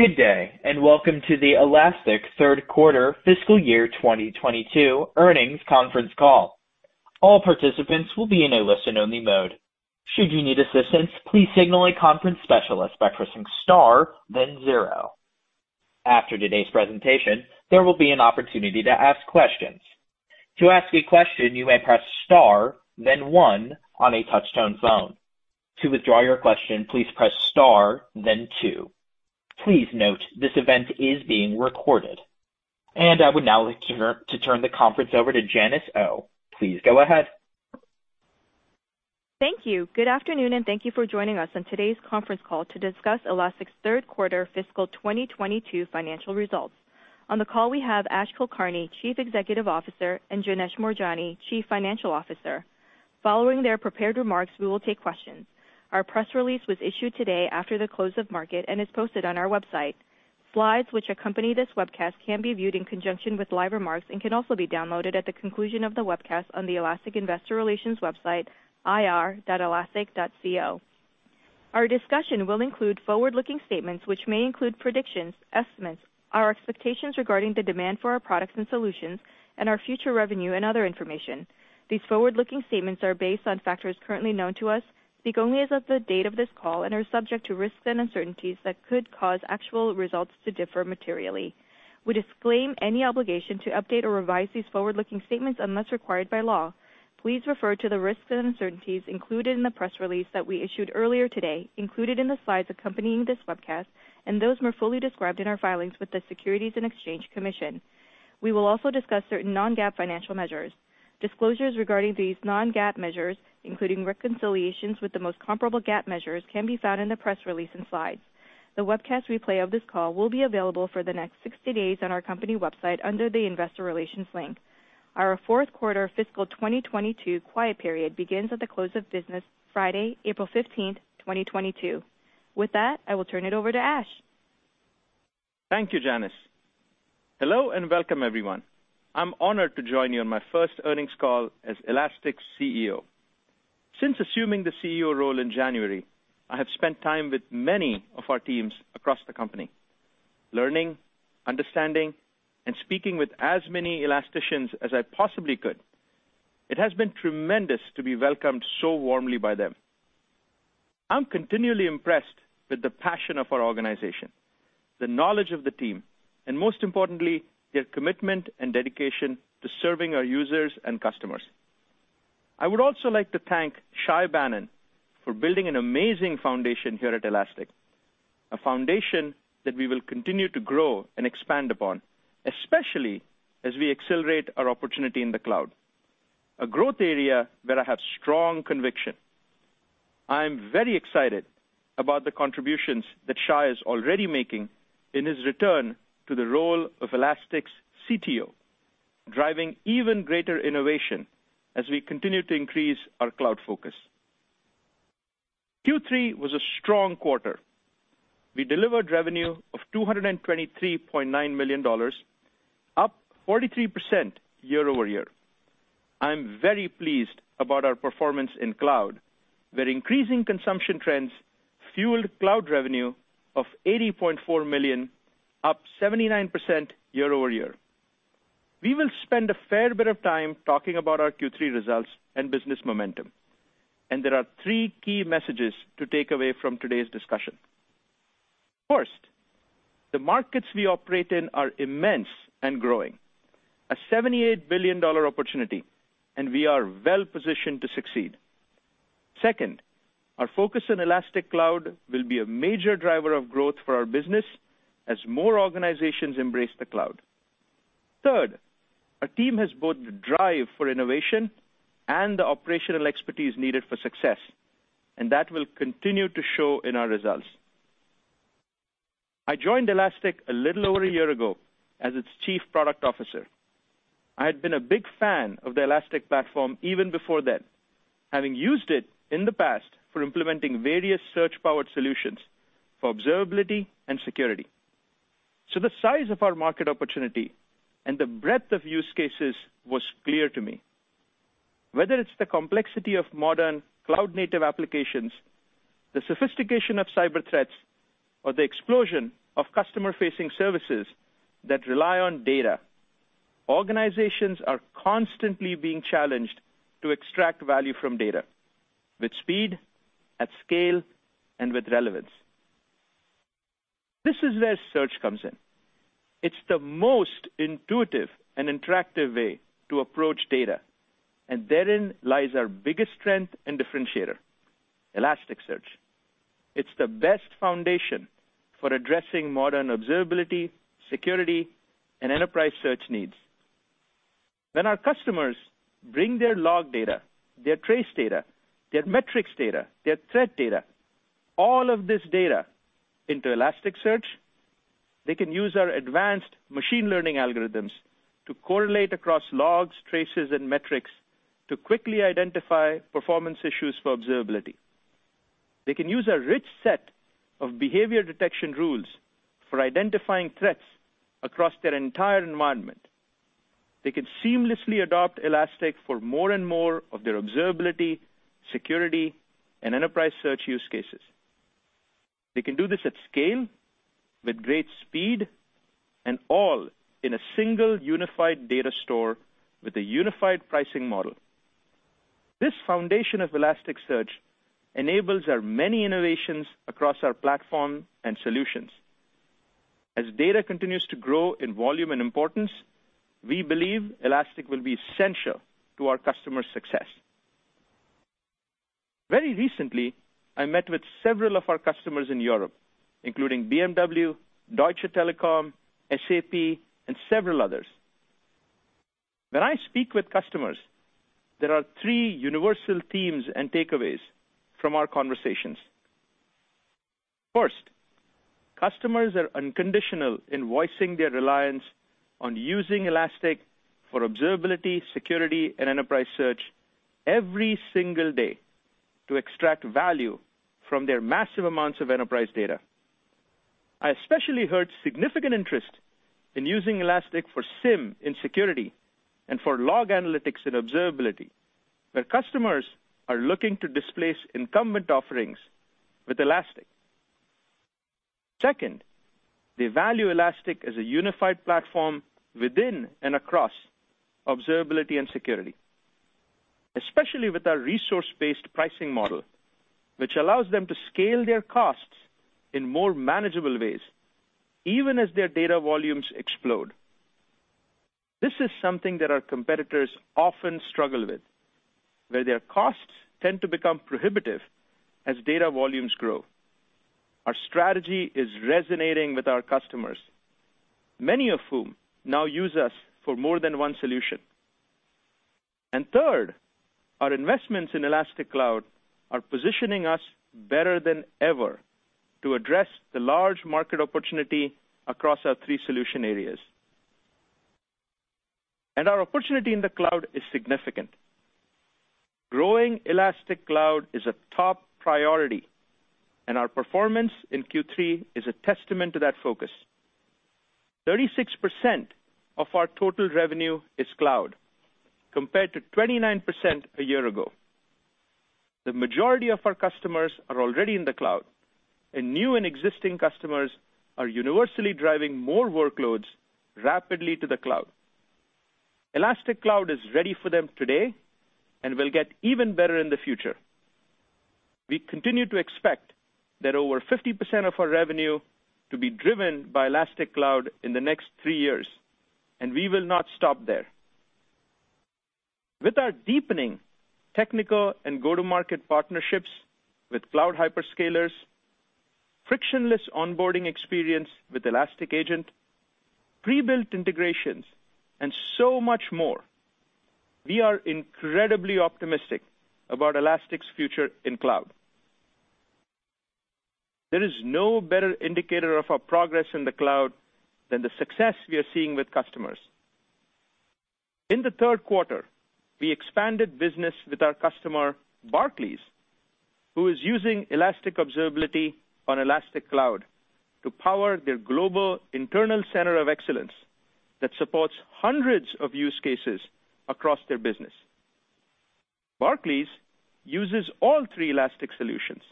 Good day, and welcome to the Elastic third quarter fiscal year 2022 earnings conference call. All participants will be in a listen-only mode. Should you need assistance, please signal a conference specialist by pressing Star, then zero. After today's presentation, there will be an opportunity to ask questions. To ask a question, you may press Star, then one on a touch-tone phone. To withdraw your question, please press Star, then two. Please note this event is being recorded. I would now like to turn the conference over to Janice Oh. Please go ahead. Thank you. Good afternoon, and thank you for joining us on today's conference call to discuss Elastic's third quarter fiscal 2022 financial results. On the call we have Ash Kulkarni, Chief Executive Officer, and Janesh Moorjani, Chief Financial Officer. Following their prepared remarks, we will take questions. Our press release was issued today after the close of market and is posted on our website. Slides which accompany this webcast can be viewed in conjunction with live remarks and can also be downloaded at the conclusion of the webcast on the Elastic investor relations website, ir.elastic.co. Our discussion will include forward-looking statements which may include predictions, estimates, our expectations regarding the demand for our products and solutions, and our future revenue and other information. These forward-looking statements are based on factors currently known to us, speak only as of the date of this call, and are subject to risks and uncertainties that could cause actual results to differ materially. We disclaim any obligation to update or revise these forward-looking statements unless required by law. Please refer to the risks and uncertainties included in the press release that we issued earlier today, included in the slides accompanying this webcast, and those more fully described in our filings with the Securities and Exchange Commission. We will also discuss certain non-GAAP financial measures. Disclosures regarding these non-GAAP measures, including reconciliations with the most comparable GAAP measures, can be found in the press release and slides. The webcast replay of this call will be available for the next 60 days on our company website under the investor relations link. Our fourth quarter fiscal 2022 quiet period begins at the close of business Friday, April 15, 2022. With that, I will turn it over to Ash. Thank you, Janice. Hello, and welcome, everyone. I'm honored to join you on my first earnings call as Elastic's CEO. Since assuming the CEO role in January, I have spent time with many of our teams across the company, learning, understanding, and speaking with as many Elasticians as I possibly could. It has been tremendous to be welcomed so warmly by them. I'm continually impressed with the passion of our organization, the knowledge of the team, and most importantly, their commitment and dedication to serving our users and customers. I would also like to thank Shay Banon for building an amazing foundation here at Elastic, a foundation that we will continue to grow and expand upon, especially as we accelerate our opportunity in the cloud, a growth area where I have strong conviction. I am very excited about the contributions that Shay is already making in his return to the role of Elastic's CTO, driving even greater innovation as we continue to increase our cloud focus. Q3 was a strong quarter. We delivered revenue of $223.9 million, up 43% year-over-year. I'm very pleased about our performance in cloud, where increasing consumption trends fueled cloud revenue of $80.4 million, up 79% year-over-year. We will spend a fair bit of time talking about our Q3 results and business momentum, and there are three key messages to take away from today's discussion. First, the markets we operate in are immense and growing. A $78 billion opportunity, and we are well-positioned to succeed. Second, our focus on Elastic Cloud will be a major driver of growth for our business as more organizations embrace the cloud. Third, our team has both the drive for innovation and the operational expertise needed for success, and that will continue to show in our results. I joined Elastic a little over a year ago as its Chief Product Officer. I had been a big fan of the Elastic platform even before then, having used it in the past for implementing various search-powered solutions for observability and security. The size of our market opportunity and the breadth of use cases was clear to me. Whether it's the complexity of modern cloud-native applications, the sophistication of cyber threats, or the explosion of customer-facing services that rely on data, organizations are constantly being challenged to extract value from data with speed, at scale, and with relevance. This is where search comes in. It's the most intuitive and interactive way to approach data, and therein lies our biggest strength and differentiator, Elasticsearch. It's the best foundation for addressing modern observability, security, and enterprise search needs. When our customers bring their log data, their trace data, their metrics data, their threat data, all of this data into Elasticsearch, they can use our advanced machine learning algorithms to correlate across logs, traces, and metrics to quickly identify performance issues for observability. They can use a rich set of behavior detection rules for identifying threats across their entire environment. They can seamlessly adopt Elastic for more and more of their observability, security, and enterprise search use cases. They can do this at scale with great speed and all in a single unified data store with a unified pricing model. This foundation of Elasticsearch enables our many innovations across our platform and solutions. As data continues to grow in volume and importance, we believe Elastic will be essential to our customers' success. Very recently, I met with several of our customers in Europe, including BMW, Deutsche Telekom, SAP, and several others. When I speak with customers, there are three universal themes and takeaways from our conversations. First, customers are unconditional in voicing their reliance on using Elastic for observability, security, and enterprise search every single day to extract value from their massive amounts of enterprise data. I especially heard significant interest in using Elastic for SIEM in security and for log analytics and observability, where customers are looking to displace incumbent offerings with Elastic. Second, they value Elastic as a unified platform within and across observability and security, especially with our resource-based pricing model, which allows them to scale their costs in more manageable ways, even as their data volumes explode. This is something that our competitors often struggle with, where their costs tend to become prohibitive as data volumes grow. Our strategy is resonating with our customers, many of whom now use us for more than one solution. Third, our investments in Elastic Cloud are positioning us better than ever to address the large market opportunity across our three solution areas. Our opportunity in the cloud is significant. Growing Elastic Cloud is a top priority, and our performance in Q3 is a testament to that focus. 36% of our total revenue is cloud, compared to 29% a year ago. The majority of our customers are already in the cloud, and new and existing customers are universally driving more workloads rapidly to the cloud. Elastic Cloud is ready for them today and will get even better in the future. We continue to expect that over 50% of our revenue to be driven by Elastic Cloud in the next three years, and we will not stop there. With our deepening technical and go-to-market partnerships with cloud hyperscalers, frictionless onboarding experience with Elastic Agent, pre-built integrations, and so much more, we are incredibly optimistic about Elastic's future in cloud. There is no better indicator of our progress in the cloud than the success we are seeing with customers. In the third quarter, we expanded business with our customer, Barclays, who is using Elastic Observability on Elastic Cloud to power their global internal center of excellence that supports hundreds of use cases across their business. Barclays uses all three Elastic solutions.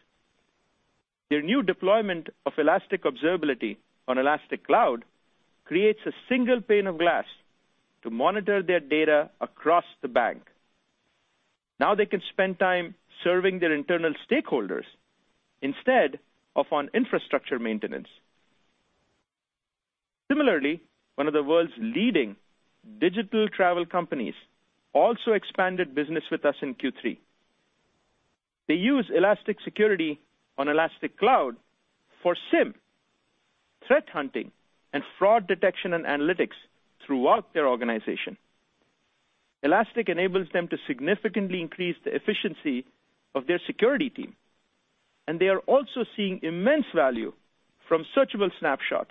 Their new deployment of Elastic Observability on Elastic Cloud creates a single pane of glass to monitor their data across the bank. Now they can spend time serving their internal stakeholders instead of on infrastructure maintenance. Similarly, one of the world's leading digital travel companies also expanded business with us in Q3. They use Elastic Security on Elastic Cloud for SIEM, threat hunting, and fraud detection and analytics throughout their organization. Elastic enables them to significantly increase the efficiency of their security team, and they are also seeing immense value from searchable snapshots,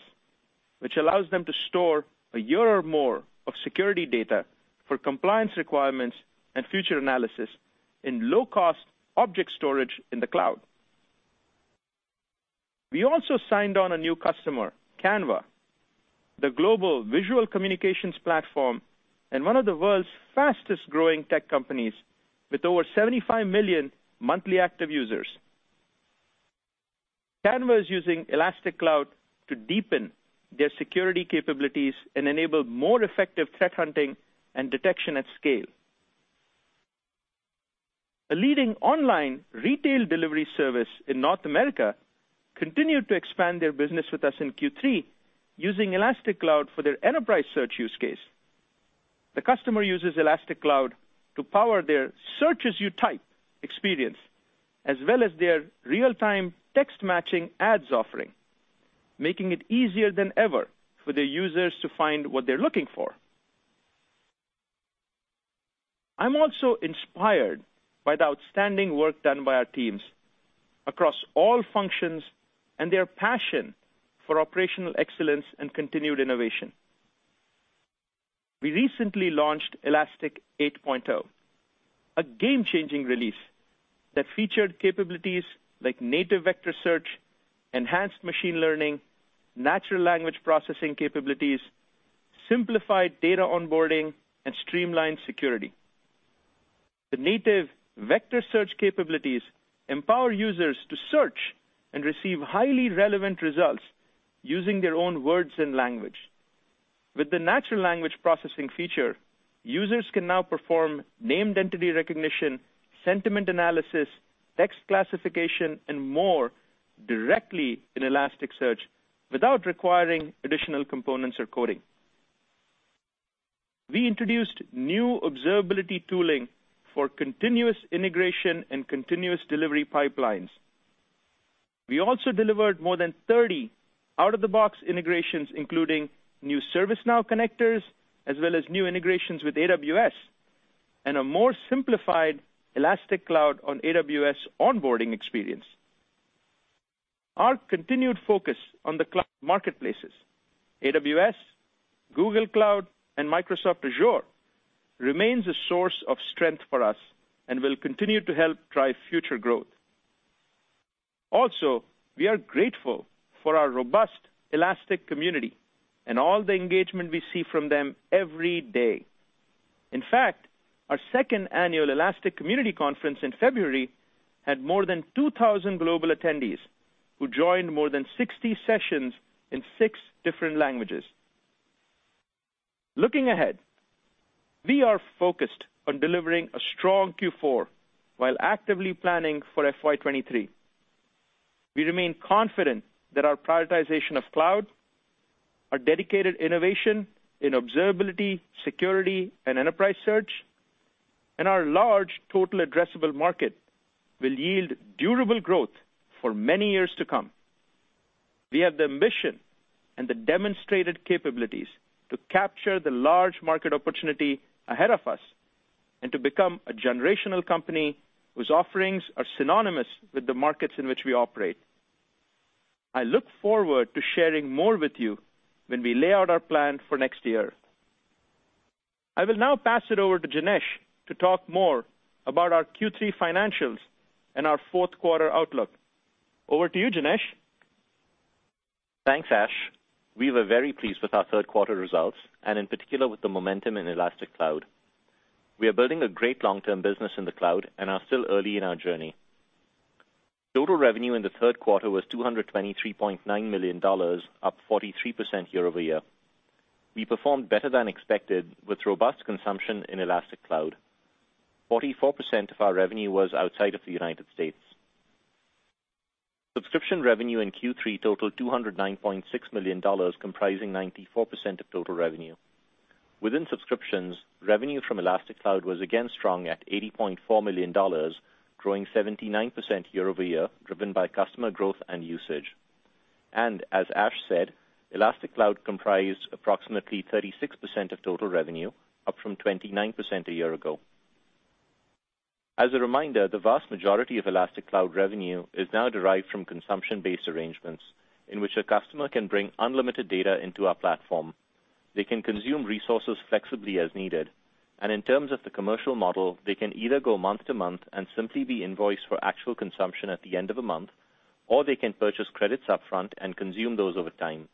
which allows them to store a year or more of security data for compliance requirements and future analysis in low-cost object storage in the cloud. We also signed on a new customer, Canva, the global visual communications platform and one of the world's fastest-growing tech companies with over 75 million monthly active users. Canva is using Elastic Cloud to deepen their security capabilities and enable more effective threat hunting and detection at scale. A leading online retail delivery service in North America continued to expand their business with us in Q3 using Elastic Cloud for their enterprise search use case. The customer uses Elastic Cloud to power their search-as-you-type experience, as well as their real-time text matching ads offering, making it easier than ever for their users to find what they're looking for. I'm also inspired by the outstanding work done by our teams across all functions and their passion for operational excellence and continued innovation. We recently launched Elastic 8.0, a game-changing release that featured capabilities like native vector search, enhanced machine learning, natural language processing capabilities, simplified data onboarding, and streamlined security. The native vector search capabilities empower users to search and receive highly relevant results using their own words and language. With the natural language processing feature, users can now perform named entity recognition, sentiment analysis, text classification, and more directly in Elasticsearch without requiring additional components or coding. We introduced new observability tooling for continuous integration and continuous delivery pipelines. We also delivered more than 30 out-of-the-box integrations, including new ServiceNow connectors, as well as new integrations with AWS, and a more simplified Elastic Cloud on AWS onboarding experience. Our continued focus on the cloud marketplaces, AWS, Google Cloud, and Microsoft Azure, remains a source of strength for us and will continue to help drive future growth. Also, we are grateful for our robust Elastic community and all the engagement we see from them every day. In fact, our second annual Elastic Community Conference in February had more than 2,000 global attendees who joined more than 60 sessions in six different languages. Looking ahead, we are focused on delivering a strong Q4 while actively planning for FY 2023. We remain confident that our prioritization of cloud, our dedicated innovation in observability, security, and enterprise search, and our large total addressable market will yield durable growth for many years to come. We have the ambition and the demonstrated capabilities to capture the large market opportunity ahead of us and to become a generational company whose offerings are synonymous with the markets in which we operate. I look forward to sharing more with you when we lay out our plan for next year. I will now pass it over to Janesh to talk more about our Q3 financials and our fourth quarter outlook. Over to you, Janesh. Thanks, Ash. We were very pleased with our third quarter results, and in particular, with the momentum in Elastic Cloud. We are building a great long-term business in the cloud and are still early in our journey. Total revenue in the third quarter was $223.9 million, up 43% year-over-year. We performed better than expected with robust consumption in Elastic Cloud. 44% of our revenue was outside of the United States. Subscription revenue in Q3 totaled $209.6 million, comprising 94% of total revenue. Within subscriptions, revenue from Elastic Cloud was again strong at $80.4 million, growing 79% year-over-year, driven by customer growth and usage. As Ash said, Elastic Cloud comprised approximately 36% of total revenue, up from 29% a year ago. As a reminder, the vast majority of Elastic Cloud revenue is now derived from consumption-based arrangements in which a customer can bring unlimited data into our platform. They can consume resources flexibly as needed, and in terms of the commercial model, they can either go month to month and simply be invoiced for actual consumption at the end of a month, or they can purchase credits upfront and consume those over time.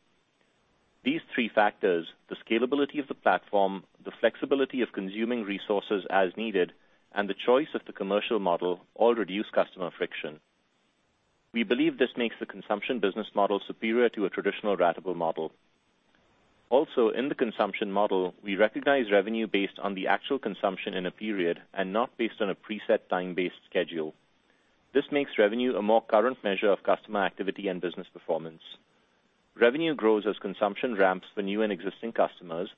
These three factors, the scalability of the platform, the flexibility of consuming resources as needed, and the choice of the commercial model, all reduce customer friction. We believe this makes the consumption business model superior to a traditional ratable model. Also, in the consumption model, we recognize revenue based on the actual consumption in a period and not based on a preset time-based schedule. This makes revenue a more current measure of customer activity and business performance. Revenue grows as consumption ramps for new and existing customers,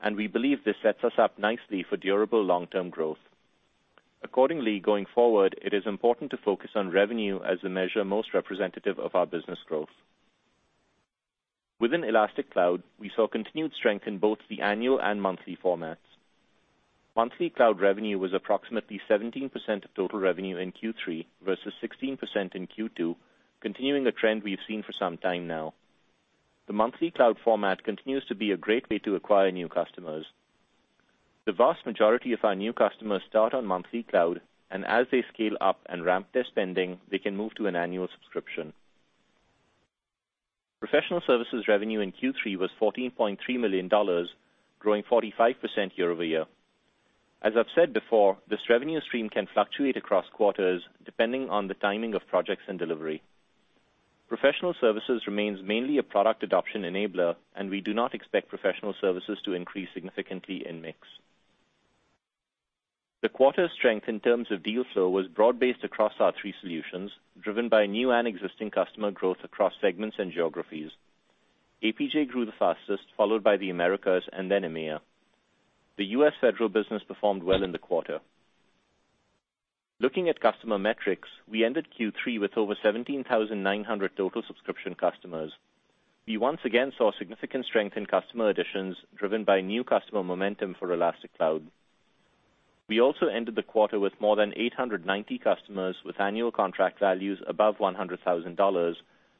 and we believe this sets us up nicely for durable long-term growth. Accordingly, going forward, it is important to focus on revenue as the measure most representative of our business growth. Within Elastic Cloud, we saw continued strength in both the annual and monthly formats. Monthly cloud revenue was approximately 17% of total revenue in Q3 versus 16% in Q2, continuing a trend we've seen for some time now. The monthly cloud format continues to be a great way to acquire new customers. The vast majority of our new customers start on monthly cloud, and as they scale up and ramp their spending, they can move to an annual subscription. Professional services revenue in Q3 was $14.3 million, growing 45% year-over-year. As I've said before, this revenue stream can fluctuate across quarters depending on the timing of projects and delivery. Professional services remains mainly a product adoption enabler, and we do not expect professional services to increase significantly in mix. The quarter's strength in terms of deal flow was broad-based across our three solutions, driven by new and existing customer growth across segments and geographies. APJ grew the fastest, followed by the Americas and then EMEA. The U.S. federal business performed well in the quarter. Looking at customer metrics, we ended Q3 with over 17,900 total subscription customers. We once again saw significant strength in customer additions driven by new customer momentum for Elastic Cloud. We also ended the quarter with more than 890 customers with annual contract values above $100,000,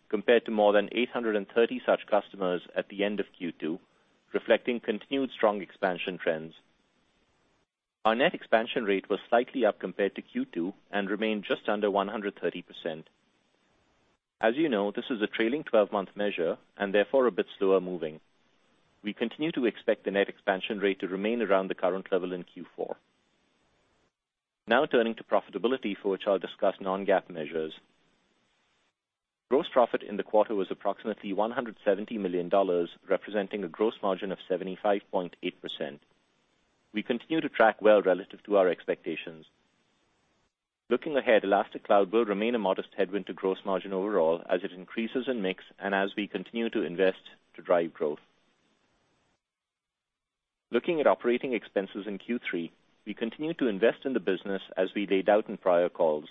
compared to more than 830 such customers at the end of Q2, reflecting continued strong expansion trends. Our net expansion rate was slightly up compared to Q2 and remained just under 130%. As you know, this is a trailing 12 month measure and therefore a bit slower moving. We continue to expect the net expansion rate to remain around the current level in Q4. Now turning to profitability, for which I'll discuss non-GAAP measures. Gross profit in the quarter was approximately $170 million, representing a gross margin of 75.8%. We continue to track well relative to our expectations. Looking ahead, Elastic Cloud will remain a modest headwind to gross margin overall as it increases in mix and as we continue to invest to drive growth. Looking at operating expenses in Q3, we continue to invest in the business as we laid out in prior calls.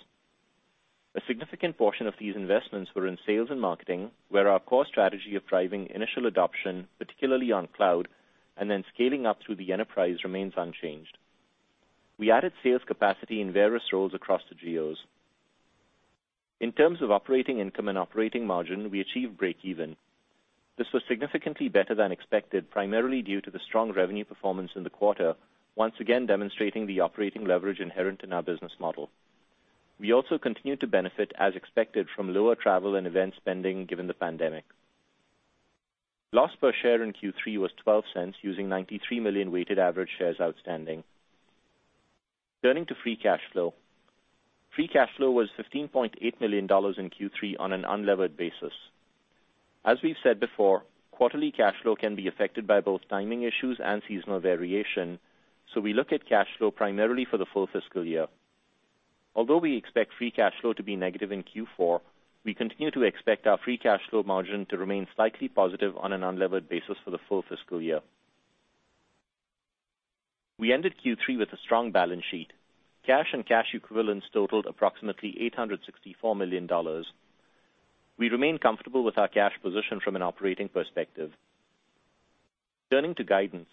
A significant portion of these investments were in sales and marketing, where our core strategy of driving initial adoption, particularly on cloud, and then scaling up through the enterprise remains unchanged. We added sales capacity in various roles across the geos. In terms of operating income and operating margin, we achieved breakeven. This was significantly better than expected, primarily due to the strong revenue performance in the quarter, once again demonstrating the operating leverage inherent in our business model. We also continued to benefit as expected from lower travel and event spending given the pandemic. Loss per share in Q3 was $0.12, using 93 million weighted average shares outstanding. Turning to free cash flow. Free cash flow was $15.8 million in Q3 on an unlevered basis. As we've said before, quarterly cash flow can be affected by both timing issues and seasonal variation, so we look at cash flow primarily for the full fiscal year. Although we expect free cash flow to be negative in Q4, we continue to expect our free cash flow margin to remain slightly positive on an unlevered basis for the full fiscal year. We ended Q3 with a strong balance sheet. Cash and cash equivalents totaled approximately $864 million. We remain comfortable with our cash position from an operating perspective. Turning to guidance.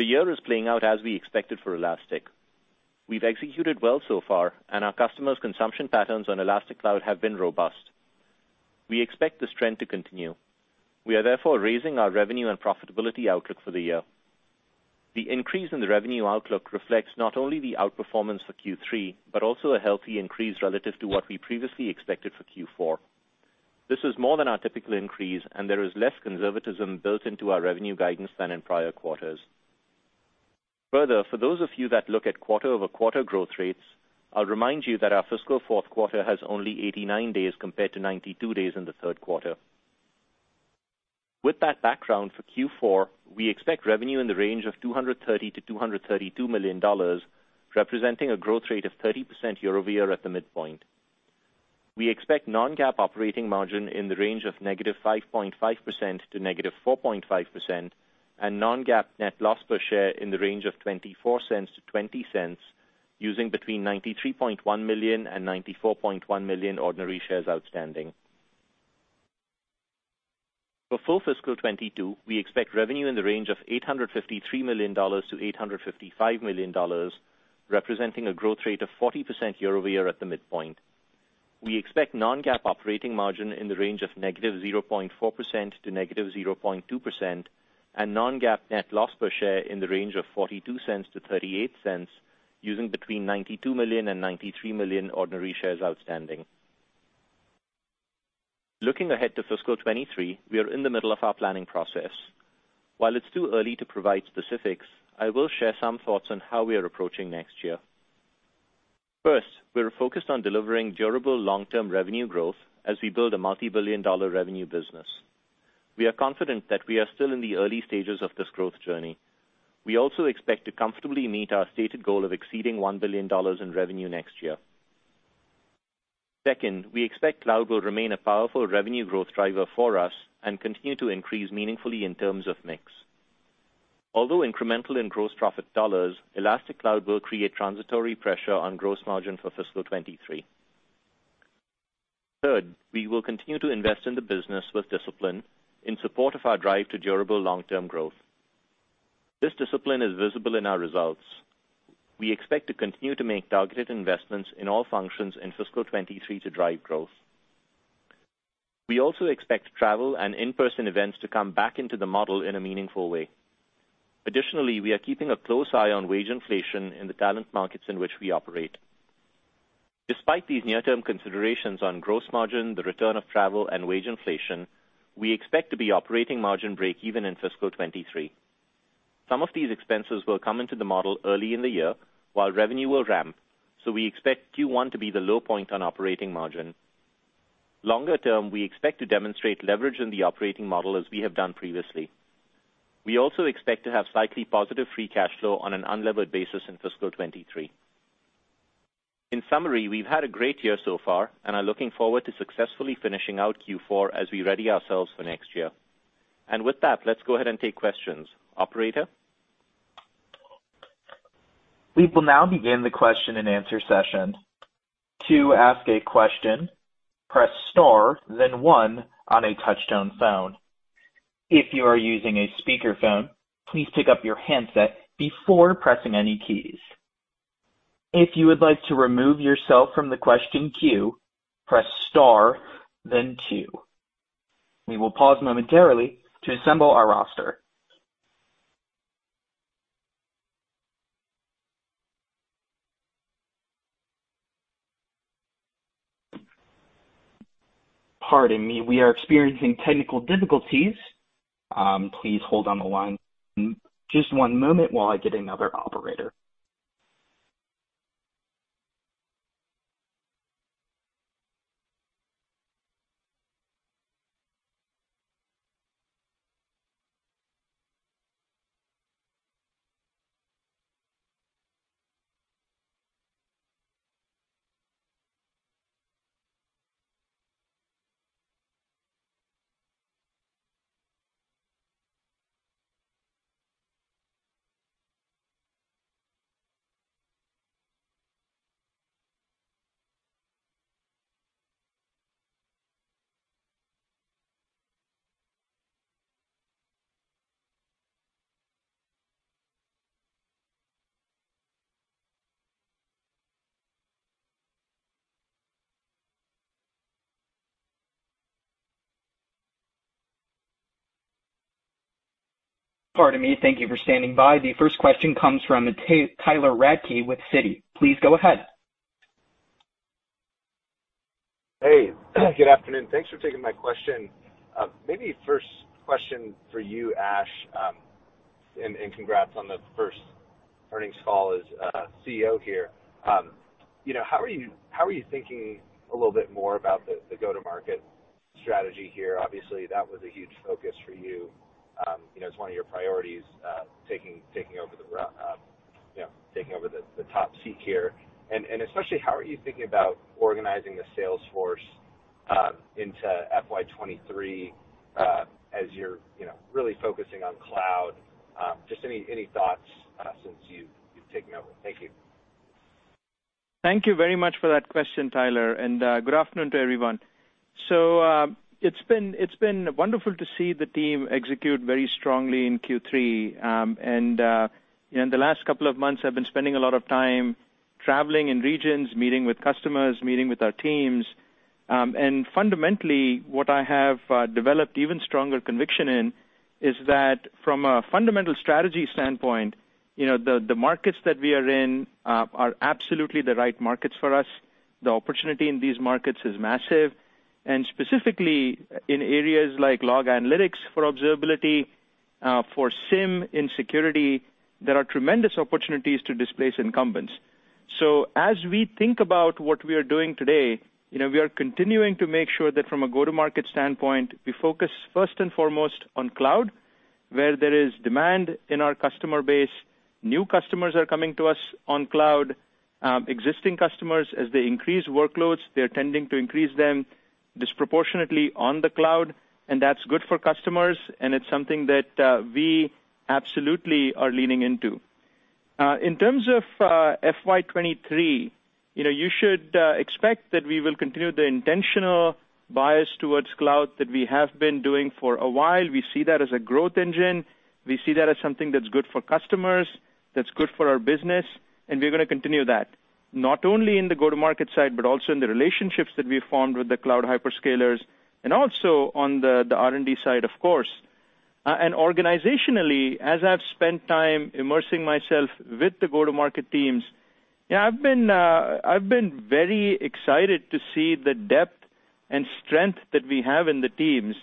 The year is playing out as we expected for Elastic. We've executed well so far and our customers' consumption patterns on Elastic Cloud have been robust. We expect this trend to continue. We are therefore raising our revenue and profitability outlook for the year. The increase in the revenue outlook reflects not only the outperformance for Q3, but also a healthy increase relative to what we previously expected for Q4. This is more than our typical increase, and there is less conservatism built into our revenue guidance than in prior quarters. Further, for those of you that look at quarter-over-quarter growth rates, I'll remind you that our fiscal fourth quarter has only 89 days compared to 92 days in the third quarter. With that background for Q4, we expect revenue in the range of $230 million-$232 million, representing a growth rate of 30% year-over-year at the mid-point. We expect non-GAAP operating margin in the range of -5.5% to -4.5% and non-GAAP net loss per share in the range of $0.24-$0.20, using between 93.1 million and 94.1 million ordinary shares outstanding. For full fiscal 2022, we expect revenue in the range of $853 million-$855 million, representing a growth rate of 40% year-over-year at the mid-point. We expect non-GAAP operating margin in the range of -0.4% to -0.2% and non-GAAP net loss per share in the range of $0.42-$0.38, using between 92 million and 93 million ordinary shares outstanding. Looking ahead to fiscal 2023, we are in the middle of our planning process. While it's too early to provide specifics, I will share some thoughts on how we are approaching next year. First, we are focused on delivering durable long-term revenue growth as we build a multibillion-dollar revenue business. We are confident that we are still in the early stages of this growth journey. We also expect to comfortably meet our stated goal of exceeding $1 billion in revenue next year. Second, we expect cloud will remain a powerful revenue growth driver for us and continue to increase meaningfully in terms of mix. Although incremental in gross profit dollars, Elastic Cloud will create transitory pressure on gross margin for fiscal 2023. Third, we will continue to invest in the business with discipline in support of our drive to durable long-term growth. This discipline is visible in our results. We expect to continue to make targeted investments in all functions in fiscal 2023 to drive growth. We also expect travel and in-person events to come back into the model in a meaningful way. Additionally, we are keeping a close eye on wage inflation in the talent markets in which we operate. Despite these near-term considerations on gross margin, the return of travel, and wage inflation, we expect to be operating margin breakeven in fiscal 2023. Some of these expenses will come into the model early in the year, while revenue will ramp, so we expect Q1 to be the low point on operating margin. Longer term, we expect to demonstrate leverage in the operating model as we have done previously. We also expect to have slightly positive free cash flow on an unlevered basis in fiscal 2023. In summary, we've had a great year so far and are looking forward to successfully finishing out Q4 as we ready ourselves for next year. With that, let's go ahead and take questions. Operator? We will now begin the question-and-answer session. To ask a question, press star, then one on a touchtone phone. If you are using a speakerphone, please pick up your handset before pressing any keys. If you would like remove yourself from the question queue, press star then two. We will pause momentarily to assemble our roster. Pardon me we are experiencing technical difficulties, please hold on the while just for a moment while I get another Operator . The first question comes from Tyler Radke with Citi. Please go ahead. Hey, good afternoon. Thanks for taking my question. Maybe first question for you, Ash, and congrats on the first earnings call as CEO here. You know, how are you thinking a little bit more about the go-to-market strategy here? Obviously, that was a huge focus for you. You know, it's one of your priorities, taking over the top seat here. Especially how are you thinking about organizing the sales force into FY 2023, as you're really focusing on cloud? Just any thoughts since you've taken over. Thank you. Thank you very much for that question, Tyler, and good afternoon to everyone. It's been wonderful to see the team execute very strongly in Q3. In the last couple of months, I've been spending a lot of time traveling in regions, meeting with customers, meeting with our teams. Fundamentally, what I have developed even stronger conviction in is that from a fundamental strategy standpoint, you know, the markets that we are in are absolutely the right markets for us. The opportunity in these markets is massive. Specifically in areas like log analytics for observability, for SIEM in security, there are tremendous opportunities to displace incumbents. As we think about what we are doing today, you know, we are continuing to make sure that from a go-to-market standpoint, we focus first and foremost on cloud, where there is demand in our customer base. New customers are coming to us on cloud. Existing customers, as they increase workloads, they're tending to increase them disproportionately on the cloud, and that's good for customers, and it's something that we absolutely are leaning into. In terms of FY 2023, you know, you should expect that we will continue the intentional bias towards cloud that we have been doing for a while. We see that as a growth engine. We see that as something that's good for customers, that's good for our business, and we're gonna continue that, not only in the go-to-market side, but also in the relationships that we've formed with the cloud hyperscalers, and also on the R&D side, of course. Organizationally, as I've spent time immersing myself with the go-to-market teams, you know, I've been very excited to see the depth and strength that we have in the teams.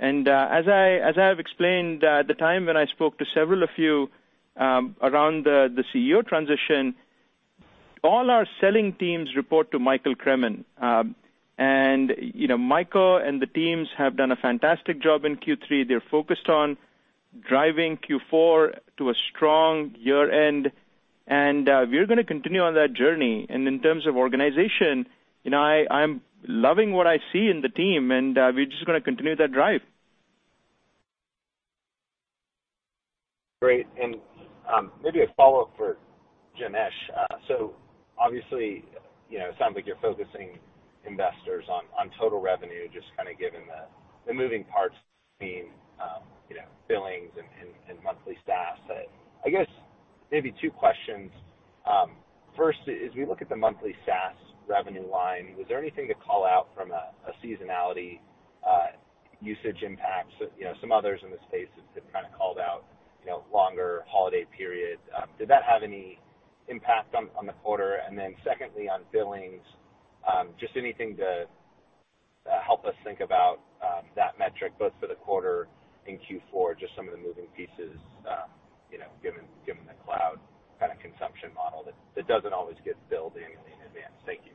As I have explained at the time when I spoke to several of you around the CEO transition, all our selling teams report to Michael Cremen. You know, Michael and the teams have done a fantastic job in Q3. They're focused on driving Q4 to a strong year-end, and we're gonna continue on that journey. In terms of organization, you know, I'm loving what I see in the team, and we're just gonna continue that drive. Great. Maybe a follow-up for Janesh. So obviously, you know, it sounds like you're focusing investors on total revenue, just kind of given the moving parts between billings and monthly SaaS. I guess maybe two questions. First, as we look at the monthly SaaS revenue line, was there anything to call out from a seasonality usage impact? So, you know, some others in the space have kind of called out longer holiday period. Did that have any impact on the quarter? Then secondly, on billings, just anything to help us think about that metric, both for the quarter in Q4, just some of the moving pieces, you know, given the cloud kind of consumption model that doesn't always get billed in advance. Thank you.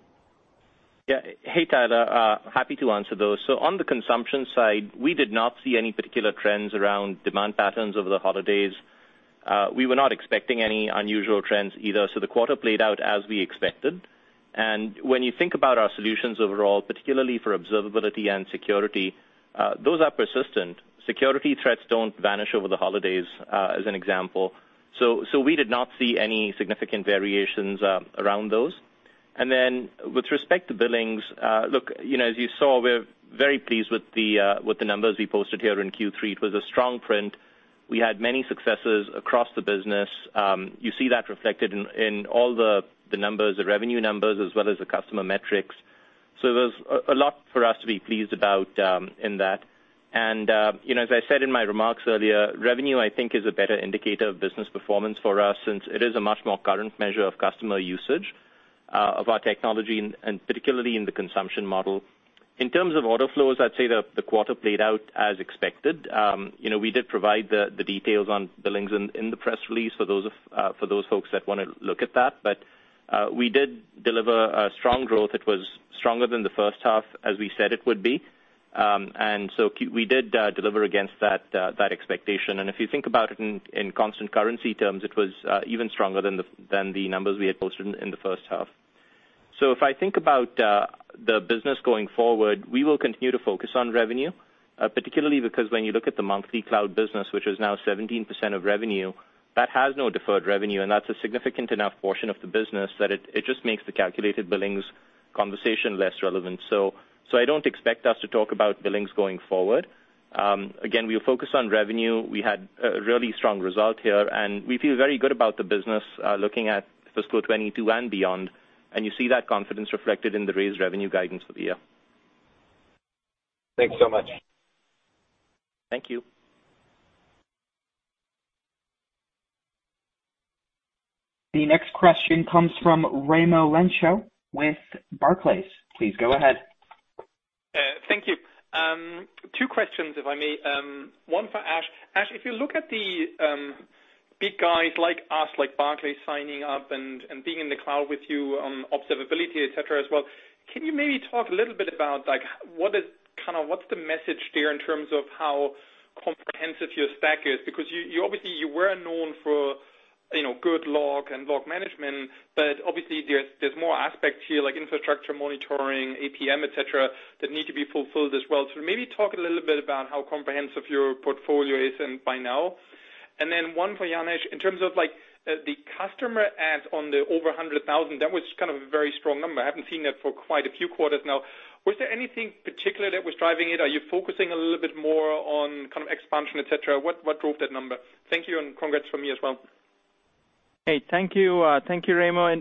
Yeah. Hey, Tyler. Happy to answer those. On the consumption side, we did not see any particular trends around demand patterns over the holidays. We were not expecting any unusual trends either, so the quarter played out as we expected. When you think about our solutions overall, particularly for observability and security, those are persistent. Security threats don't vanish over the holidays, as an example. We did not see any significant variations around those. Then with respect to billings, look, you know, as you saw, we're very pleased with the numbers we posted here in Q3. It was a strong print. We had many successes across the business. You see that reflected in all the numbers, the revenue numbers, as well as the customer metrics. There's a lot for us to be pleased about in that. You know, as I said in my remarks earlier, revenue I think is a better indicator of business performance for us since it is a much more current measure of customer usage of our technology, and particularly in the consumption model. In terms of order flows, I'd say the quarter played out as expected. You know, we did provide the details on billings in the press release for those folks that wanna look at that. We did deliver a strong growth. It was stronger than the first half, as we said it would be. We did deliver against that expectation. If you think about it in constant currency terms, it was even stronger than the numbers we had posted in the first half. If I think about the business going forward, we will continue to focus on revenue, particularly because when you look at the monthly cloud business, which is now 17% of revenue, that has no deferred revenue, and that's a significant enough portion of the business that it just makes the calculated billings conversation less relevant. I don't expect us to talk about billings going forward. Again, we are focused on revenue. We had a really strong result here, and we feel very good about the business, looking at fiscal 2022 and beyond, and you see that confidence reflected in the raised revenue guidance for the year. Thanks so much. Thank you. The next question comes from Raimo Lenschow with Barclays. Please go ahead. Thank you. Two questions, if I may. One for Ash. Ash, if you look at the big guys like us, like Barclays signing up and being in the cloud with you on observability, et cetera, as well, can you maybe talk a little bit about, like, kinda what's the message there in terms of how comprehensive your stack is? Because you obviously were known for, you know, good log and log management, but obviously there's more aspects here like infrastructure monitoring, APM, et cetera, that need to be fulfilled as well. So maybe talk a little bit about how comprehensive your portfolio is and by now. And then one for Janesh. In terms of, like, the customer adds on the over 100,000, that was kind of a very strong number. I haven't seen that for quite a few quarters now. Was there anything particular that was driving it? Are you focusing a little bit more on kind of expansion, et cetera? What drove that number? Thank you, and congrats from me as well. Hey, thank you. Thank you, Raimo.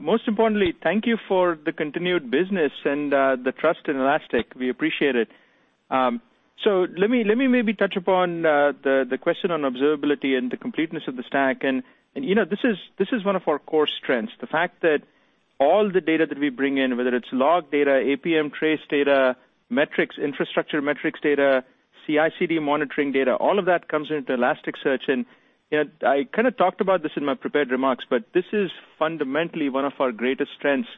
Most importantly, thank you for the continued business and the trust in Elastic. We appreciate it. Let me maybe touch upon the question on observability and the completeness of the stack. You know, this is one of our core strengths. The fact that all the data that we bring in, whether it's log data, APM trace data, metrics, infrastructure metrics data, CI/CD monitoring data, all of that comes into Elasticsearch. You know, I kinda talked about this in my prepared remarks, but this is fundamentally one of our greatest strengths,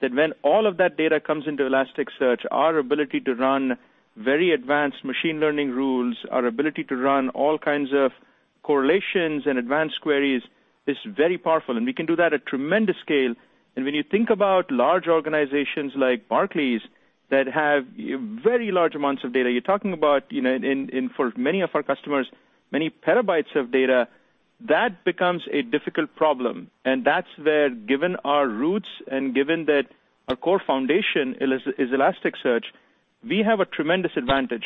that when all of that data comes into Elasticsearch, our ability to run very advanced machine learning rules, our ability to run all kinds of correlations and advanced queries is very powerful, and we can do that at tremendous scale. When you think about large organizations like Barclays that have very large amounts of data, you're talking about, you know, in for many of our customers, many petabytes of data, that becomes a difficult problem. That's where, given our roots and given that our core foundation is Elasticsearch, we have a tremendous advantage.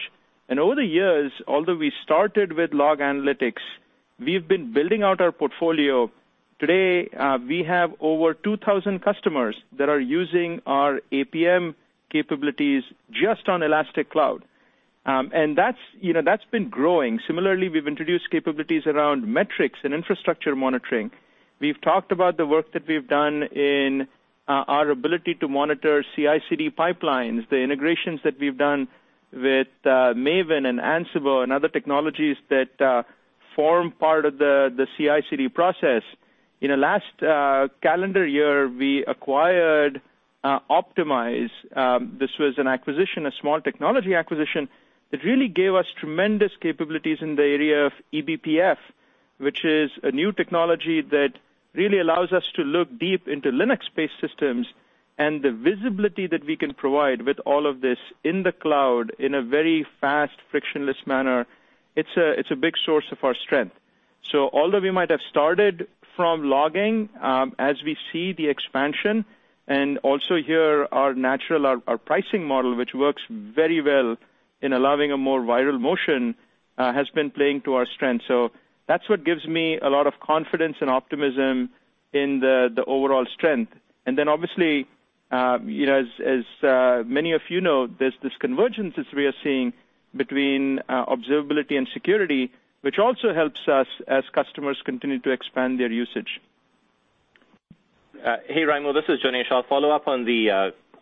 Over the years, although we started with log analytics, we've been building out our portfolio. Today, we have over 2,000 customers that are using our APM capabilities just on Elastic Cloud. That's, you know, that's been growing. Similarly, we've introduced capabilities around metrics and infrastructure monitoring. We've talked about the work that we've done in our ability to monitor CI/CD pipelines, the integrations that we've done with Maven and Ansible and other technologies that form part of the CI/CD process. You know, last calendar year, we acquired Optimyze. This was an acquisition, a small technology acquisition that really gave us tremendous capabilities in the area of eBPF, which is a new technology that really allows us to look deep into Linux-based systems and the visibility that we can provide with all of this in the cloud in a very fast, frictionless manner. It's a big source of our strength. Although we might have started from logging, as we see the expansion, and also here our natural pricing model, which works very well in allowing a more viral motion, has been playing to our strength. That's what gives me a lot of confidence and optimism in the overall strength. Obviously, you know, as many of you know, there's this convergence that we are seeing between observability and security, which also helps our customers continue to expand their usage. Hey, Raimo, this is Janesh. I'll follow-up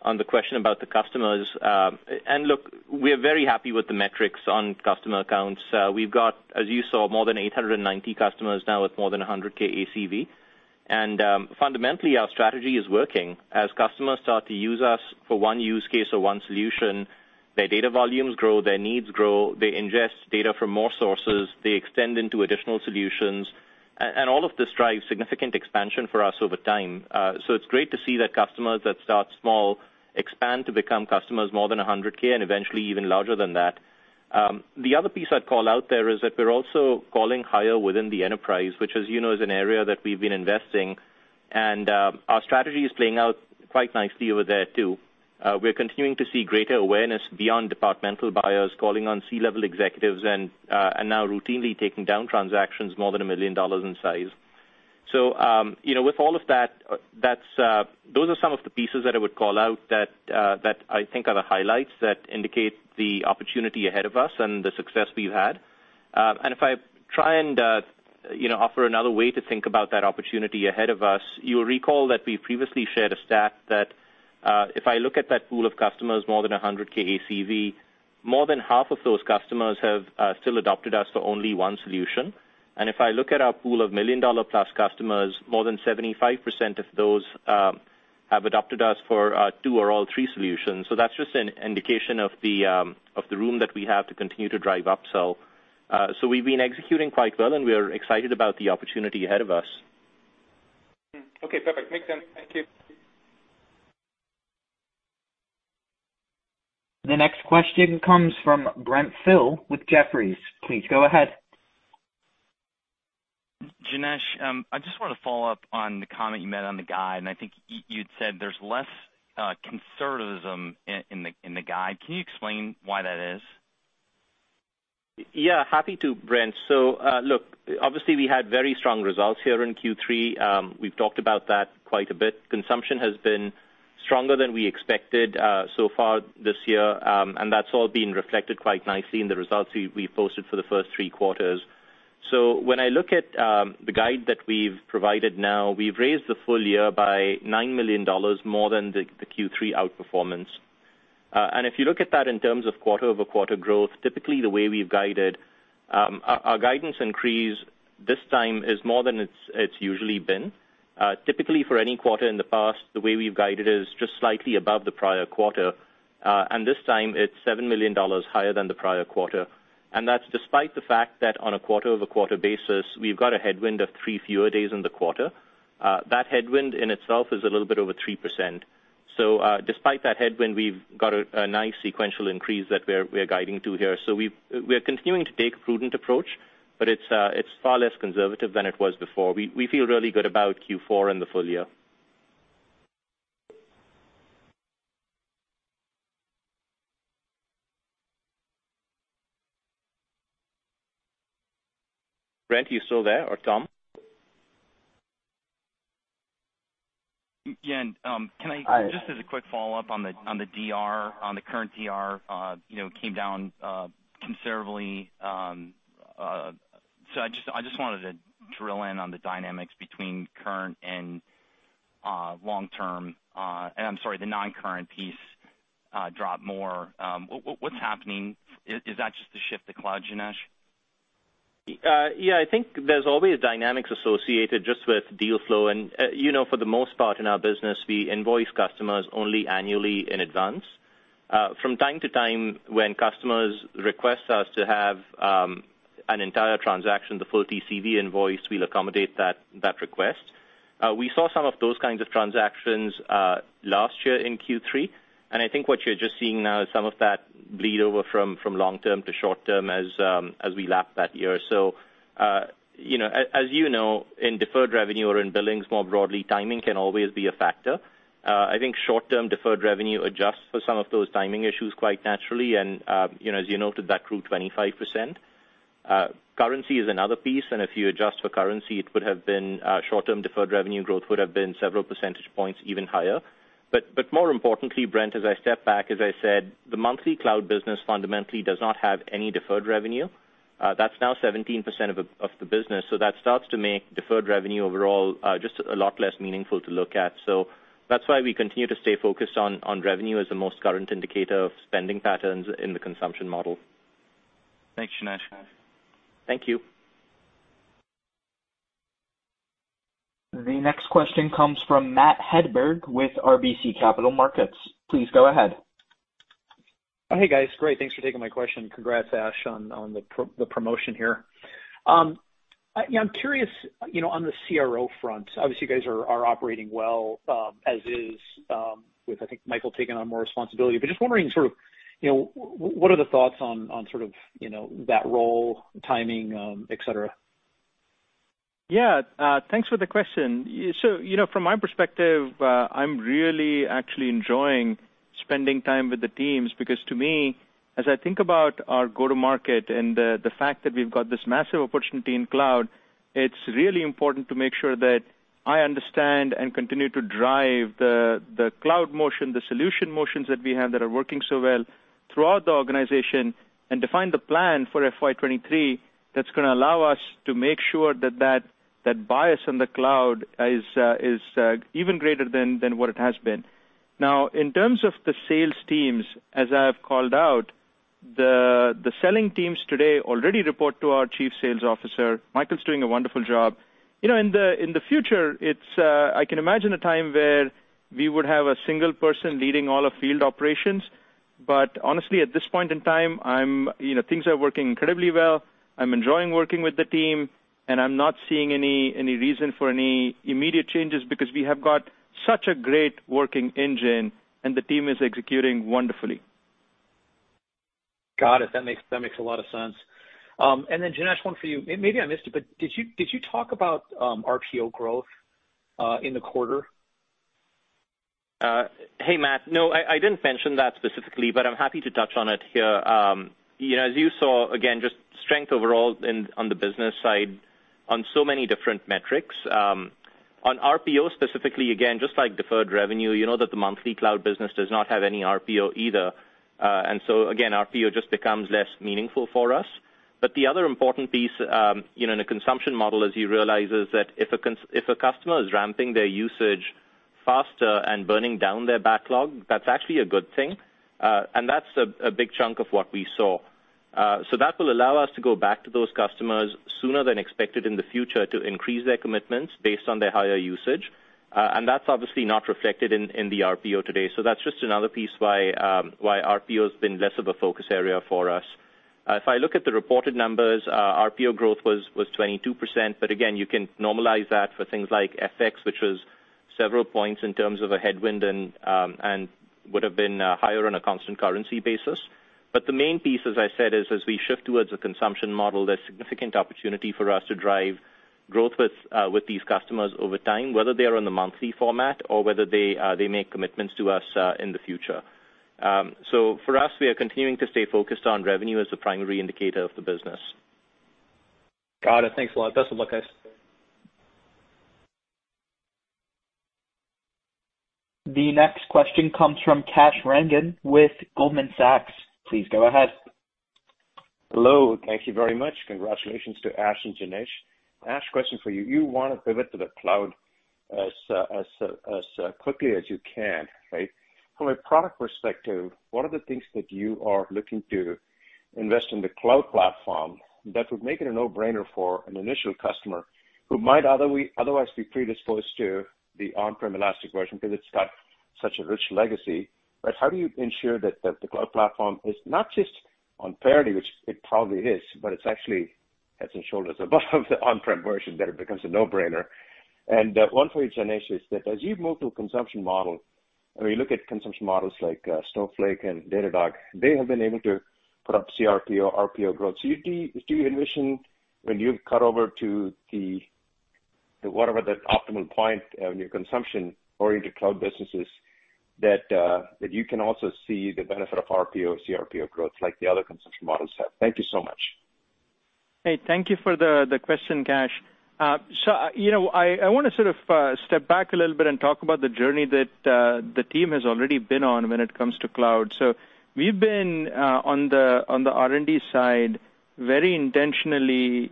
on the question about the customers. Look, we're very happy with the metrics on customer accounts. We've got, as you saw, more than 890 customers now with more than $100,000 ACV. Fundamentally, our strategy is working. As customers start to use us for one use case or one solution, their data volumes grow, their needs grow, they ingest data from more sources, they extend into additional solutions, and all of this drives significant expansion for us over time. It's great to see that customers that start small expand to become customers more than $100,000 and eventually even larger than that. The other piece I'd call out there is that we're also calling higher within the enterprise, which as you know is an area that we've been investing, and our strategy is playing out quite nicely over there too. We're continuing to see greater awareness beyond departmental buyers calling on C-level executives and now routinely taking down transactions more than $1 million in size. You know, with all of that, those are some of the pieces that I would call out that I think are the highlights that indicate the opportunity ahead of us and the success we've had. If I try and, you know, offer another way to think about that opportunity ahead of us, you'll recall that we previously shared a stat that, if I look at that pool of customers more than $100,000 ACV, more than half of those customers have still adopted us for only one solution. If I look at our pool of $1 million-plus customers, more than 75% of those have adopted us for two or all three solutions. That's just an indication of the room that we have to continue to drive upsell. We've been executing quite well, and we are excited about the opportunity ahead of us. Okay. Perfect. Makes sense. Thank you. The next question comes from Brent Thill with Jefferies. Please go ahead. Janesh, I just wanna follow-up on the comment you made on the guide, and I think you'd said there's less conservatism in the guide. Can you explain why that is? Yeah, happy to, Brent. Look, obviously we had very strong results here in Q3. We've talked about that quite a bit. Consumption has been stronger than we expected so far this year, and that's all been reflected quite nicely in the results we posted for the first three quarters. When I look at the guide that we've provided now, we've raised the full year by $9 million more than the Q3 outperformance. If you look at that in terms of quarter-over-quarter growth, typically the way we've guided, our guidance increase this time is more than it's usually been. Typically for any quarter in the past, the way we've guided is just slightly above the prior quarter. This time it's $7 million higher than the prior quarter, and that's despite the fact that on a quarter-over-quarter basis, we've got a headwind of three fewer days in the quarter. That headwind in itself is a little bit over 3%. Despite that headwind, we've got a nice sequential increase that we're guiding to here. We are continuing to take a prudent approach, but it's far less conservative than it was before. We feel really good about Q4 and the full year. Brent, are you still there, or Tom? Yeah. Can I? I- Just as a quick follow-up on the current DR, you know, it came down considerably, so I just wanted to drill in on the dynamics between current and long term. I'm sorry, the non-current piece dropped more. What's happening? Is that just the shift to cloud, Janesh? Yeah, I think there's always dynamics associated just with deal flow. You know, for the most part in our business, we invoice customers only annually in advance. From time to time, when customers request us to have an entire transaction, the full TCV invoice, we'll accommodate that request. We saw some of those kinds of transactions last year in Q3, and I think what you're just seeing now is some of that bleed over from long-term to short-term as we lap that year. You know, as you know, in deferred revenue or in billings more broadly, timing can always be a factor. I think short-term deferred revenue adjusts for some of those timing issues quite naturally and, you know, as you noted, that grew 25%. Currency is another piece, and if you adjust for currency, short-term deferred revenue growth would have been several percentage points even higher. More importantly, Brent, as I step back, as I said, the monthly cloud business fundamentally does not have any deferred revenue. That's now 17% of the business, so that starts to make deferred revenue overall just a lot less meaningful to look at. That's why we continue to stay focused on revenue as the most current indicator of spending patterns in the consumption model. Thanks, Janesh. Thank you. The next question comes from Matt Hedberg with RBC Capital Markets. Please go ahead. Oh, hey, guys. Great. Thanks for taking my question. Congrats, Ash, on the promotion here. Yeah, I'm curious, you know, on the CRO front. Obviously you guys are operating well as is with, I think, Michael taking on more responsibility. Just wondering sort of, you know, what are the thoughts on sort of, you know, that role, timing, et cetera? Yeah. Thanks for the question. You know, from my perspective, I'm really actually enjoying spending time with the teams because to me, as I think about our go-to-market and the fact that we've got this massive opportunity in cloud, it's really important to make sure that I understand and continue to drive the cloud motion, the solution motions that we have that are working so well throughout the organization and define the plan for FY 2023 that's gonna allow us to make sure that that bias on the cloud is even greater than what it has been. Now, in terms of the sales teams, as I have called out, the selling teams today already report to our Chief Sales Officer. Michael's doing a wonderful job. You know, in the future, it's, I can imagine a time where we would have a single person leading all of field operations. Honestly, at this point in time, I'm, you know, things are working incredibly well. I'm enjoying working with the team, and I'm not seeing any reason for any immediate changes because we have got such a great working engine, and the team is executing wonderfully. Got it. That makes a lot of sense. Janesh, one for you. Maybe I missed it, but did you talk about RPO growth in the quarter? Hey, Matt. No, I didn't mention that specifically, but I'm happy to touch on it here. You know, as you saw, again, just strength overall on the business side on so many different metrics. On RPO specifically, again, just like deferred revenue, you know that the monthly cloud business does not have any RPO either. Again, RPO just becomes less meaningful for us. The other important piece, you know, in a consumption model as you realize is that if a customer is ramping their usage faster and burning down their backlog, that's actually a good thing. That's a big chunk of what we saw. That will allow us to go back to those customers sooner than expected in the future to increase their commitments based on their higher usage. That's obviously not reflected in the RPO today. That's just another piece why RPO has been less of a focus area for us. If I look at the reported numbers, RPO growth was 22%, but again, you can normalize that for things like FX, which was several points in terms of a headwind and would have been higher on a constant currency basis. The main piece, as I said, is as we shift towards a consumption model, there's significant opportunity for us to drive growth with these customers over time, whether they are on the monthly format or whether they make commitments to us in the future. For us, we are continuing to stay focused on revenue as the primary indicator of the business. Got it. Thanks a lot. Best of luck, guys. The next question comes from Kash Rangan with Goldman Sachs. Please go ahead. Hello. Thank you very much. Congratulations to Ash and Janesh. Ash, question for you. You wanna pivot to the cloud as quickly as you can, right? From a product perspective, what are the things that you are looking to invest in the cloud platform that would make it a no-brainer for an initial customer who might otherwise be predisposed to the on-prem Elastic version because it's got such a rich legacy. But how do you ensure that the cloud platform is not just on parity, which it probably is, but it's actually heads and shoulders above the on-prem version, that it becomes a no-brainer. One for you, Janesh, is that as you move to a consumption model, when you look at consumption models like Snowflake and Datadog, they have been able to put up CRPO, RPO growth. Do you envision when you cut over to whatever the optimal point in your consumption-oriented cloud business is that you can also see the benefit of RPO, CRPO growth like the other consumption models have? Thank you so much. Hey, thank you for the question, Kash. You know, I wanna sort of step back a little bit and talk about the journey that the team has already been on when it comes to cloud. We've been on the R&D side very intentionally,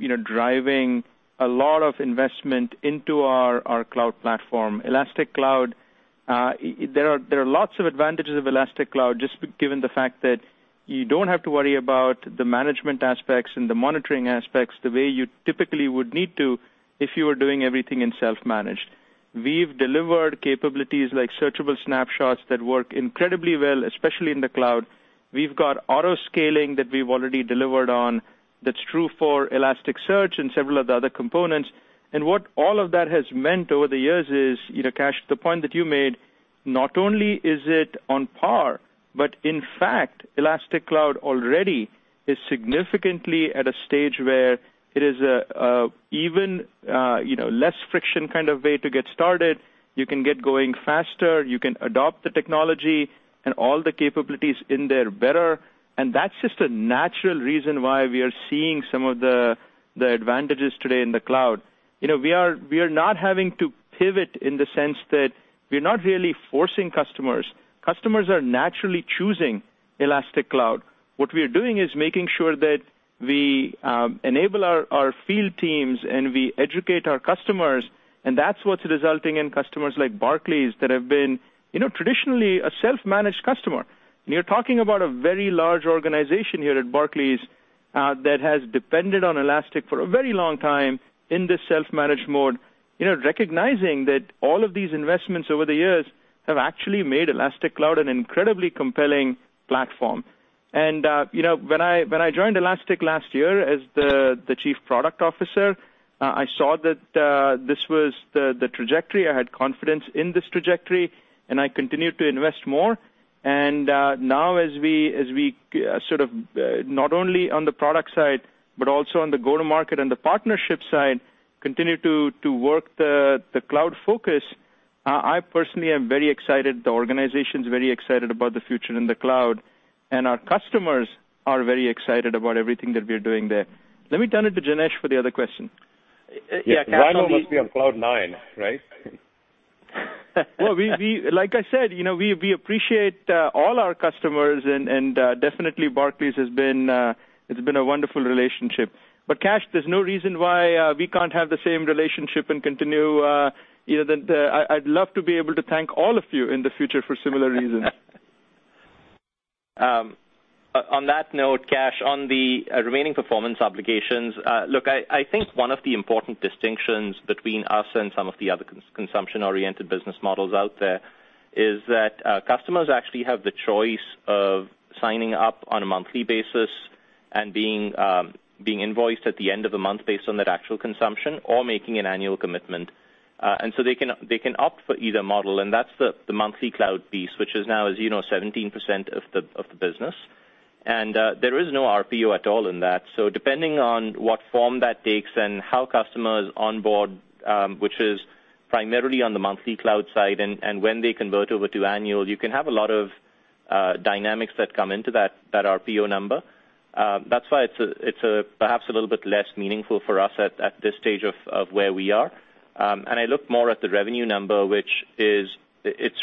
you know, driving a lot of investment into our cloud platform. Elastic Cloud, there are lots of advantages of Elastic Cloud just given the fact that you don't have to worry about the management aspects and the monitoring aspects the way you typically would need to if you were doing everything in self-managed. We've delivered capabilities like searchable snapshots that work incredibly well, especially in the cloud. We've got auto-scaling that we've already delivered on. That's true for Elasticsearch and several of the other components. What all of that has meant over the years is, you know, Kash, the point that you made, not only is it on par, but in fact, Elastic Cloud already is significantly at a stage where it is even, you know, less friction kind of way to get started. You can get going faster, you can adopt the technology and all the capabilities in there better. That's just a natural reason why we are seeing some of the advantages today in the cloud. You know, we are not having to pivot in the sense that we're not really forcing customers. Customers are naturally choosing Elastic Cloud. What we are doing is making sure that we enable our field teams and we educate our customers, and that's what's resulting in customers like Barclays that have been, you know, traditionally a self-managed customer. You're talking about a very large organization here at Barclays that has depended on Elastic for a very long time in this self-managed mode. You know, recognizing that all of these investments over the years have actually made Elastic Cloud an incredibly compelling platform. You know, when I joined Elastic last year as the Chief Product Officer, I saw that this was the trajectory. I had confidence in this trajectory, and I continued to invest more. Now as we sort of not only on the product side, but also on the go-to-market and the partnership side, continue to work the cloud focus, I personally am very excited. The organization's very excited about the future in the cloud, and our customers are very excited about everything that we're doing there. Let me turn it to Janesh for the other question. Yeah, Kash. Rino must be on cloud nine, right? Well, like I said, you know, we appreciate all our customers and definitely Barclays has been, it's been a wonderful relationship. Kash, there's no reason why we can't have the same relationship and continue, you know. I'd love to be able to thank all of you in the future for similar reasons. On that note, Kash, on the remaining performance obligations, look, I think one of the important distinctions between us and some of the other consumption-oriented business models out there is that customers actually have the choice of signing up on a monthly basis and being invoiced at the end of the month based on that actual consumption or making an annual commitment. They can opt for either model, and that's the monthly cloud piece, which is now, as you know, 17% of the business. There is no RPO at all in that. Depending on what form that takes and how customers onboard, which is primarily on the monthly cloud side and when they convert over to annual, you can have a lot of dynamics that come into that RPO number. That's why it's perhaps a little bit less meaningful for us at this stage of where we are. I look more at the revenue number, which is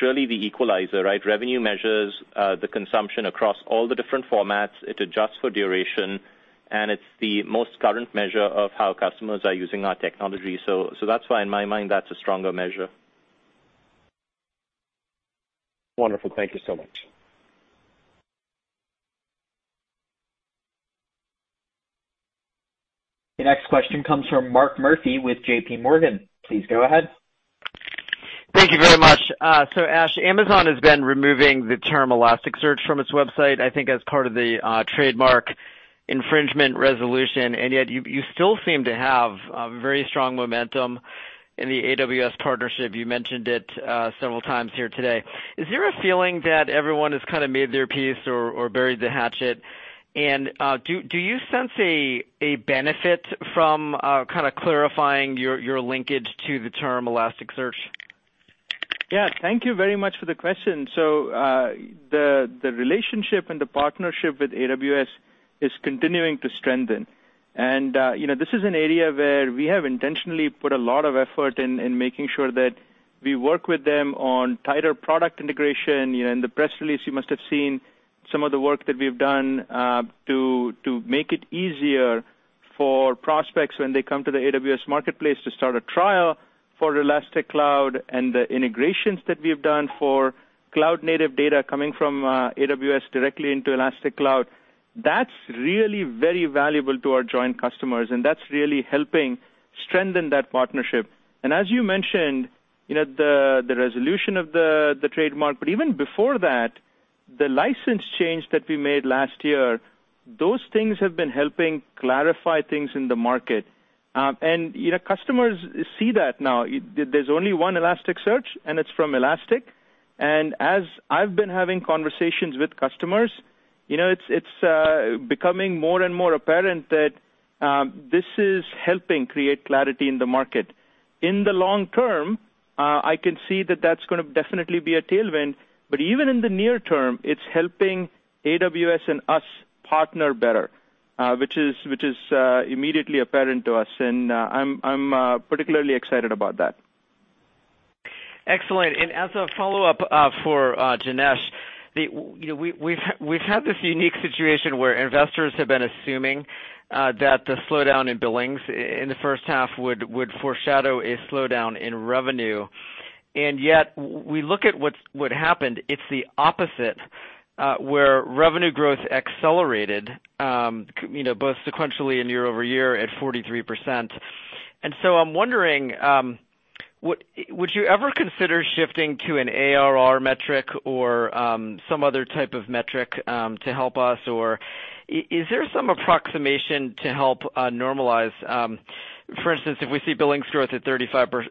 really the equalizer, right? Revenue measures the consumption across all the different formats. It adjusts for duration, and it's the most current measure of how customers are using our technology. That's why in my mind that's a stronger measure. Wonderful. Thank you so much. The next question comes from Mark Murphy with JPMorgan. Please go ahead. Thank you very much. So Ash, Amazon has been removing the term Elasticsearch from its website, I think as part of the trademark infringement resolution, and yet you still seem to have very strong momentum in the AWS partnership. You mentioned it several times here today. Is there a feeling that everyone has kinda made their peace or buried the hatchet? Do you sense a benefit from kinda clarifying your linkage to the term Elasticsearch? Yeah. Thank you very much for the question. The relationship and the partnership with AWS is continuing to strengthen. You know, this is an area where we have intentionally put a lot of effort in making sure that we work with them on tighter product integration. You know, in the press release you must have seen some of the work that we've done to make it easier for prospects when they come to the AWS Marketplace to start a trial for Elastic Cloud and the integrations that we've done for cloud-native data coming from AWS directly into Elastic Cloud. That's really very valuable to our joint customers, and that's really helping strengthen that partnership. As you mentioned, you know, the resolution of the trademark, but even before that, the license change that we made last year, those things have been helping clarify things in the market. You know, customers see that now. There's only one Elasticsearch, and it's from Elastic. As I've been having conversations with customers, you know, it's becoming more and more apparent that this is helping create clarity in the market. In the long-term, I can see that that's gonna definitely be a tailwind, but even in the near-term, it's helping AWS and us partner better, which is immediately apparent to us. I'm particularly excited about that. Excellent. As a follow-up, for Janesh, you know, we've had this unique situation where investors have been assuming that the slowdown in billings in the first half would foreshadow a slowdown in revenue. Yet we look at what happened, it's the opposite, where revenue growth accelerated, you know, both sequentially and year-over-year at 43%. So I'm wondering, would you ever consider shifting to an ARR metric or some other type of metric to help us? Or is there some approximation to help normalize, for instance, if we see billings growth at 35%,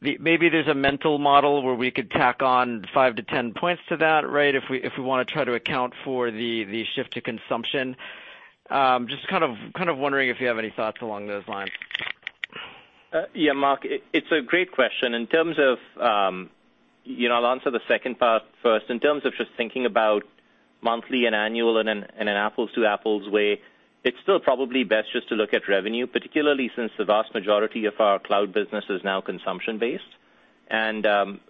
maybe there's a mental model where we could tack on 5-10 points to that, right? If we wanna try to account for the shift to consumption. Just kind of wondering if you have any thoughts along those lines. Yeah, Mark, it's a great question. In terms of, you know, I'll answer the second part first. In terms of just thinking about monthly and annual in an apples-to-apples way, it's still probably best just to look at revenue, particularly since the vast majority of our cloud business is now consumption-based.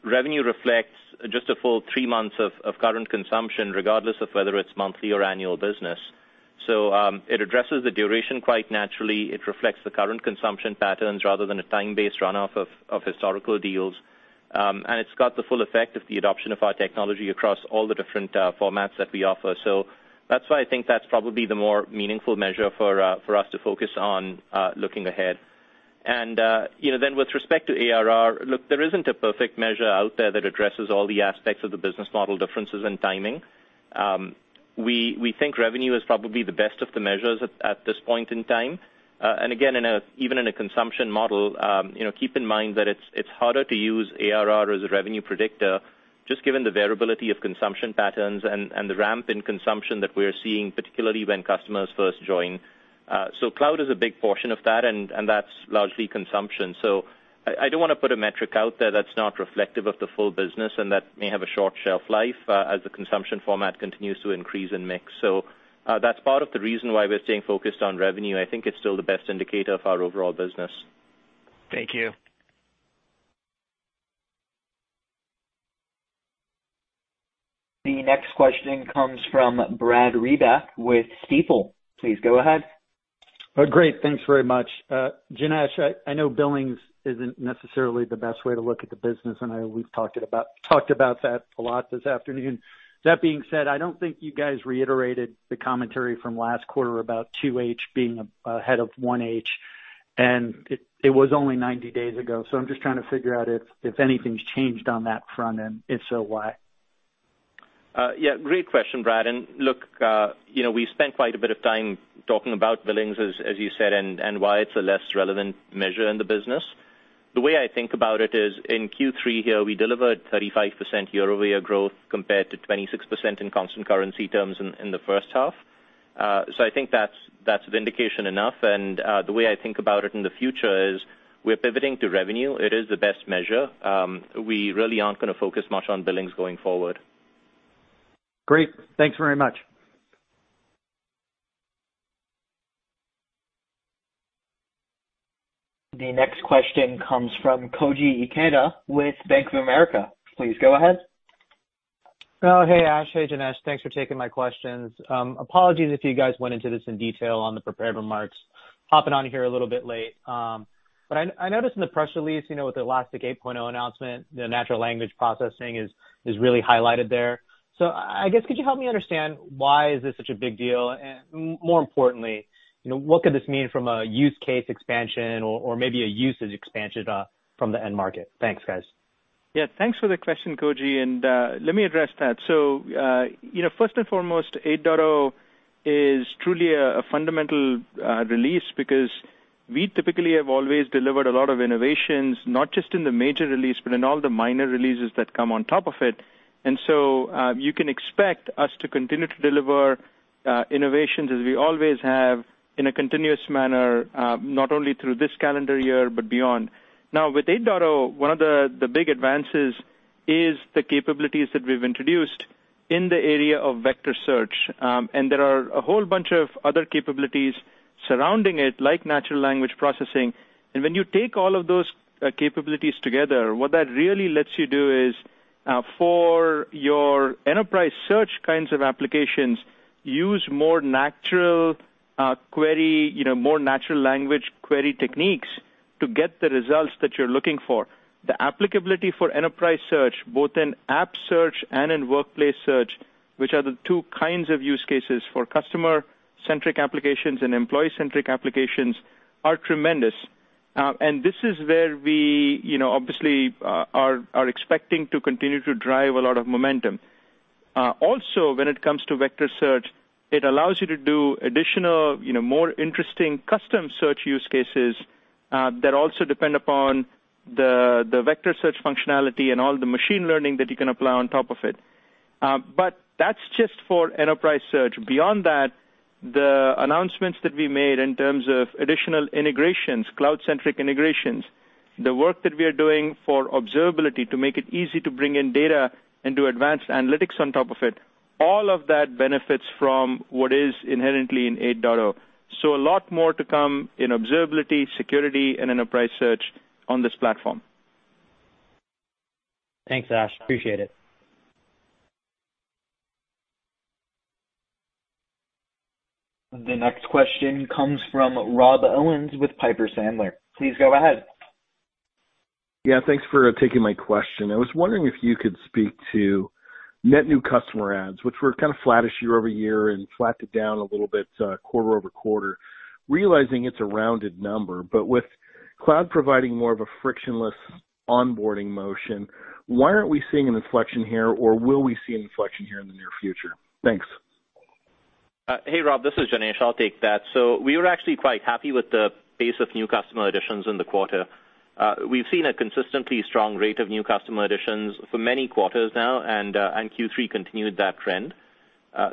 Revenue reflects just a full three months of current consumption, regardless of whether it's monthly or annual business. It addresses the duration quite naturally. It reflects the current consumption patterns rather than a time-based runoff of historical deals. It's got the full effect of the adoption of our technology across all the different formats that we offer. That's why I think that's probably the more meaningful measure for us to focus on looking ahead. You know, then with respect to ARR, look, there isn't a perfect measure out there that addresses all the aspects of the business model differences and timing. We think revenue is probably the best of the measures at this point in time. Even in a consumption model, you know, keep in mind that it's harder to use ARR as a revenue predictor just given the variability of consumption patterns and the ramp in consumption that we're seeing, particularly when customers first join. Cloud is a big portion of that, and that's largely consumption. I don't wanna put a metric out there that's not reflective of the full business and that may have a short shelf life as the consumption format continues to increase in mix. That's part of the reason why we're staying focused on revenue. I think it's still the best indicator of our overall business. Thank you. The next question comes from Brad Reback with Stifel. Please go ahead. Oh, great. Thanks very much. Janesh, I know billings isn't necessarily the best way to look at the business, and I know we've talked about that a lot this afternoon. That being said, I don't think you guys reiterated the commentary from last quarter about 2H being ahead of 1H. It was only 90 days ago. I'm just trying to figure out if anything's changed on that front, and if so, why? Yeah, great question, Brad. Look, you know, we spent quite a bit of time talking about billings, as you said, and why it's a less relevant measure in the business. The way I think about it is in Q3 here, we delivered 35% year-over-year growth compared to 26% in constant currency terms in the first half. So I think that's vindication enough. The way I think about it in the future is we're pivoting to revenue. It is the best measure. We really aren't gonna focus much on billings going forward. Great. Thanks very much. The next question comes from Koji Ikeda with Bank of America. Please go ahead. Oh, hey, Ash. Hey, Janesh. Thanks for taking my questions. Apologies if you guys went into this in detail on the prepared remarks. Hopping on here a little bit late. I noticed in the press release, you know, with Elastic 8.0 announcement, the natural language processing is really highlighted there. I guess could you help me understand why is this such a big deal? More importantly, you know, what could this mean from a use case expansion or maybe a usage expansion from the end market? Thanks, guys. Yeah, thanks for the question, Koji, and let me address that. You know, first and foremost, 8.0 is truly a fundamental release because we typically have always delivered a lot of innovations, not just in the major release, but in all the minor releases that come on top of it. You can expect us to continue to deliver innovations as we always have in a continuous manner, not only through this calendar year, but beyond. Now, with 8.0, one of the big advances is the capabilities that we've introduced in the area of vector search. And there are a whole bunch of other capabilities surrounding it, like natural language processing. When you take all of those capabilities together, what that really lets you do is, for your enterprise search kinds of applications, use more natural query, you know, more natural language query techniques to get the results that you're looking for. The applicability for enterprise search, both in app search and in workplace search, which are the two kinds of use cases for customer-centric applications and employee-centric applications, is tremendous. This is where we, you know, obviously are expecting to continue to drive a lot of momentum. Also, when it comes to vector search, it allows you to do additional, you know, more interesting custom search use cases that also depend upon the vector search functionality and all the machine learning that you can apply on top of it. That's just for enterprise search. Beyond that, the announcements that we made in terms of additional integrations, cloud-centric integrations, the work that we are doing for observability to make it easy to bring in data and do advanced analytics on top of it, all of that benefits from what is inherently in 8.0. A lot more to come in observability, security, and enterprise search on this platform. Thanks, Ash. Appreciate it. The next question comes from Rob Owens with Piper Sandler. Please go ahead. Yeah, thanks for taking my question. I was wondering if you could speak to net new customer adds, which were kind of flattish year-over-year and flattened down a little bit, quarter-over-quarter. Realizing it's a rounded number, but with cloud providing more of a frictionless onboarding motion, why aren't we seeing an inflection here, or will we see an inflection here in the near future? Thanks. Hey, Rob. This is Janesh. I'll take that. We were actually quite happy with the pace of new customer additions in the quarter. We've seen a consistently strong rate of new customer additions for many quarters now, and Q3 continued that trend.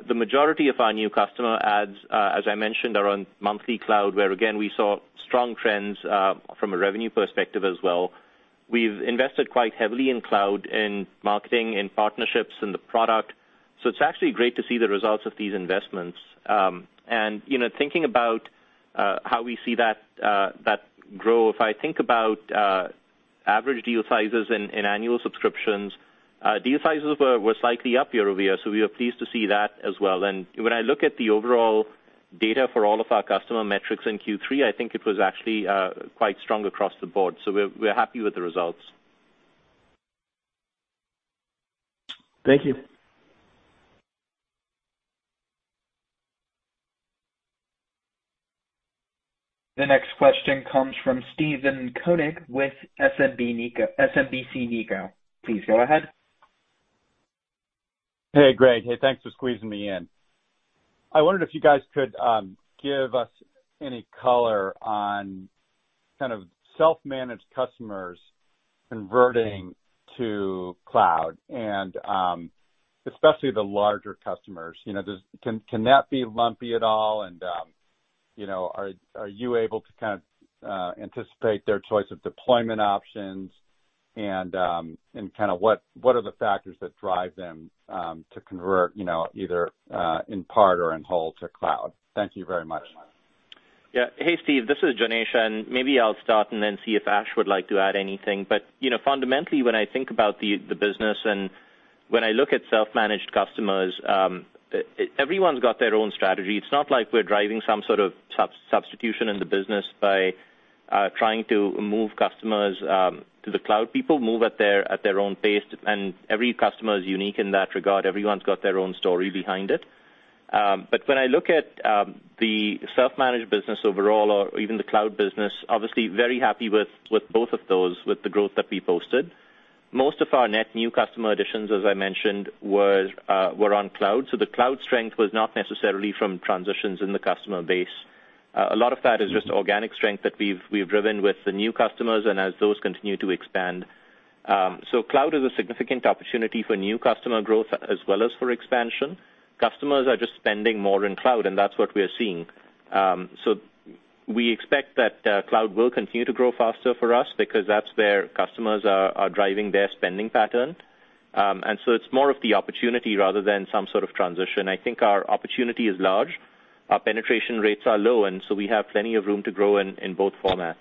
The majority of our new customer adds, as I mentioned, are on monthly cloud, where again, we saw strong trends from a revenue perspective as well. We've invested quite heavily in cloud, in marketing, in partnerships, in the product, so it's actually great to see the results of these investments. You know, thinking about how we see that grow, if I think about average deal sizes in annual subscriptions, deal sizes were slightly up year-over-year, so we are pleased to see that as well. When I look at the overall data for all of our customer metrics in Q3, I think it was actually quite strong across the board. We're happy with the results. Thank you. The next question comes from Stephen Kodak with SMBC Nikko. Please go ahead. Hey, Greg. Hey, thanks for squeezing me in. I wondered if you guys could give us any color on kind of self-managed customers converting to cloud and especially the larger customers. You know, can that be lumpy at all? You know, are you able to kind of anticipate their choice of deployment options? And kinda what are the factors that drive them to convert, you know, either in part or in whole to cloud? Thank you very much. Yeah. Hey, Steve, this is Janesh, and maybe I'll start and then see if Ash would like to add anything. You know, fundamentally, when I think about the business and when I look at self-managed customers, everyone's got their own strategy. It's not like we're driving some sort of substitution in the business by trying to move customers to the cloud. People move at their own pace, and every customer is unique in that regard. Everyone's got their own story behind it. When I look at the self-managed business overall or even the cloud business, we're obviously very happy with both of those, with the growth that we posted. Most of our net new customer additions, as I mentioned, were on cloud. The cloud strength was not necessarily from transitions in the customer base. A lot of that is just organic strength that we've driven with the new customers and as those continue to expand. Cloud is a significant opportunity for new customer growth as well as for expansion. Customers are just spending more in cloud, and that's what we're seeing. We expect that cloud will continue to grow faster for us because that's where customers are driving their spending pattern. It's more of the opportunity rather than some sort of transition. I think our opportunity is large, our penetration rates are low, and so we have plenty of room to grow in both formats.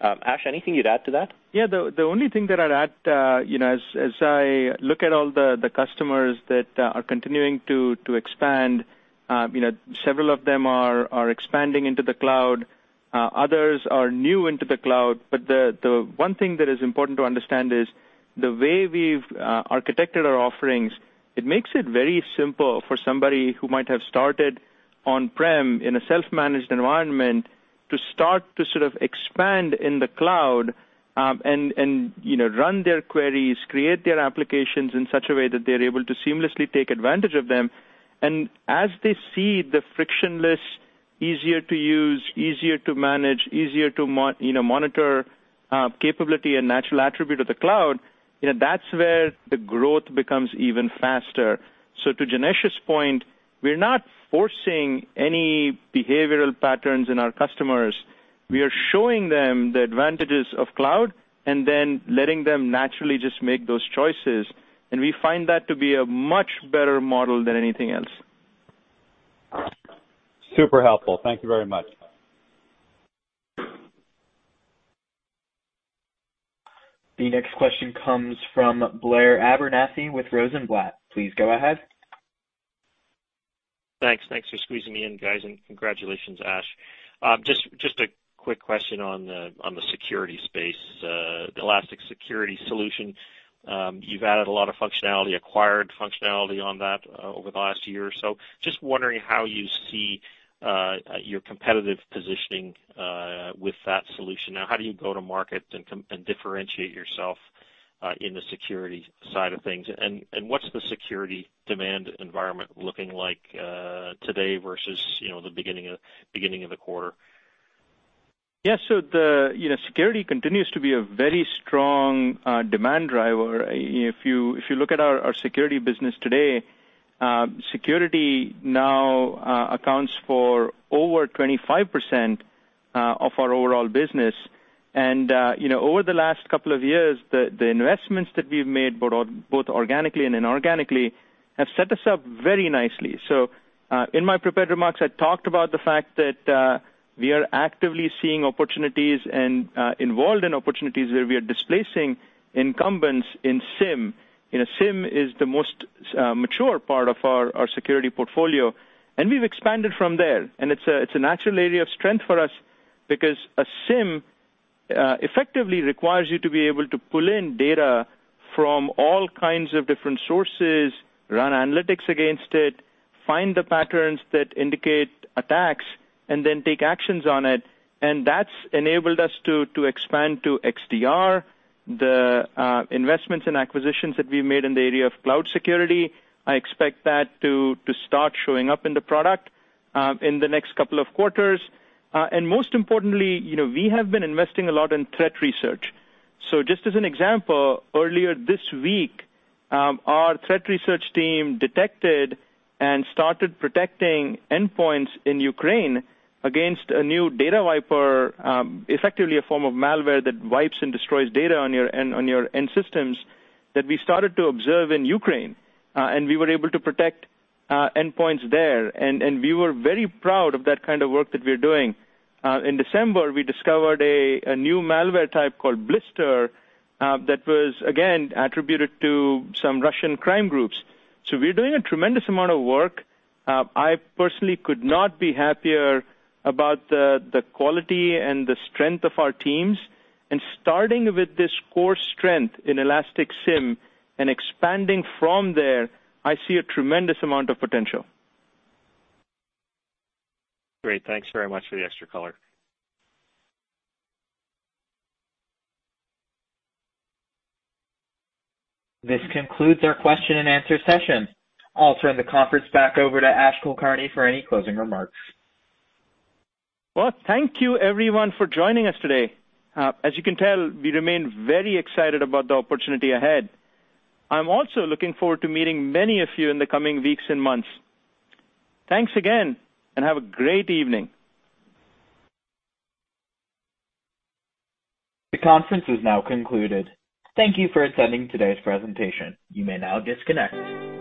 Ash, anything you'd add to that? Yeah. The only thing that I'd add, you know, as I look at all the customers that are continuing to expand, you know, several of them are expanding into the cloud, others are new into the cloud. The one thing that is important to understand is the way we've architected our offerings. It makes it very simple for somebody who might have started on-prem in a self-managed environment to start to sort of expand in the cloud, and you know, run their queries, create their applications in such a way that they're able to seamlessly take advantage of them. As they see the frictionless, easier to use, easier to manage, easier to monitor capability and natural attribute of the cloud, you know, that's where the growth becomes even faster. To Janesh's point, we're not forcing any behavioral patterns in our customers. We are showing them the advantages of cloud and then letting them naturally just make those choices. We find that to be a much better model than anything else. Super helpful. Thank you very much. The next question comes from Blair Abernethy with Rosenblatt. Please go ahead. Thanks. Thanks for squeezing me in, guys. Congratulations, Ash. Just a quick question on the security space, the Elastic Security solution. You've added a lot of functionality, acquired functionality on that over the last year or so. Just wondering how you see your competitive positioning with that solution now. How do you go to market and differentiate yourself in the security side of things? What's the security demand environment looking like today versus, you know, the beginning of the quarter? Yeah. The, you know, security continues to be a very strong demand driver. If you look at our security business today, security now accounts for over 25% of our overall business. You know, over the last couple of years, the investments that we've made, both organically and inorganically, have set us up very nicely. In my prepared remarks, I talked about the fact that we are actively seeing opportunities and involved in opportunities where we are displacing incumbents in SIEM. You know, SIEM is the most mature part of our security portfolio, and we've expanded from there. It's a natural area of strength for us because a SIEM effectively requires you to be able to pull in data from all kinds of different sources, run analytics against it, find the patterns that indicate attacks, and then take actions on it. That's enabled us to expand to XDR. The investments and acquisitions that we've made in the area of cloud security, I expect that to start showing up in the product in the next couple of quarters. Most importantly, you know, we have been investing a lot in threat research. Just as an example, earlier this week, our threat research team detected and started protecting endpoints in Ukraine against a new data wiper, effectively a form of malware that wipes and destroys data on your end systems that we started to observe in Ukraine. We were able to protect endpoints there. We were very proud of that kind of work that we're doing. In December, we discovered a new malware type called Blister that was again attributed to some Russian crime groups. We're doing a tremendous amount of work. I personally could not be happier about the quality and the strength of our teams. Starting with this core strength in Elastic SIEM and expanding from there, I see a tremendous amount of potential. Great. Thanks very much for the extra color. This concludes our question-and-answer session. I'll turn the conference back over to Ash Kulkarni for any closing remarks. Well, thank you everyone for joining us today. As you can tell, we remain very excited about the opportunity ahead. I'm also looking forward to meeting many of you in the coming weeks and months. Thanks again, and have a great evening. The conference is now concluded. Thank you for attending today's presentation. You may now disconnect.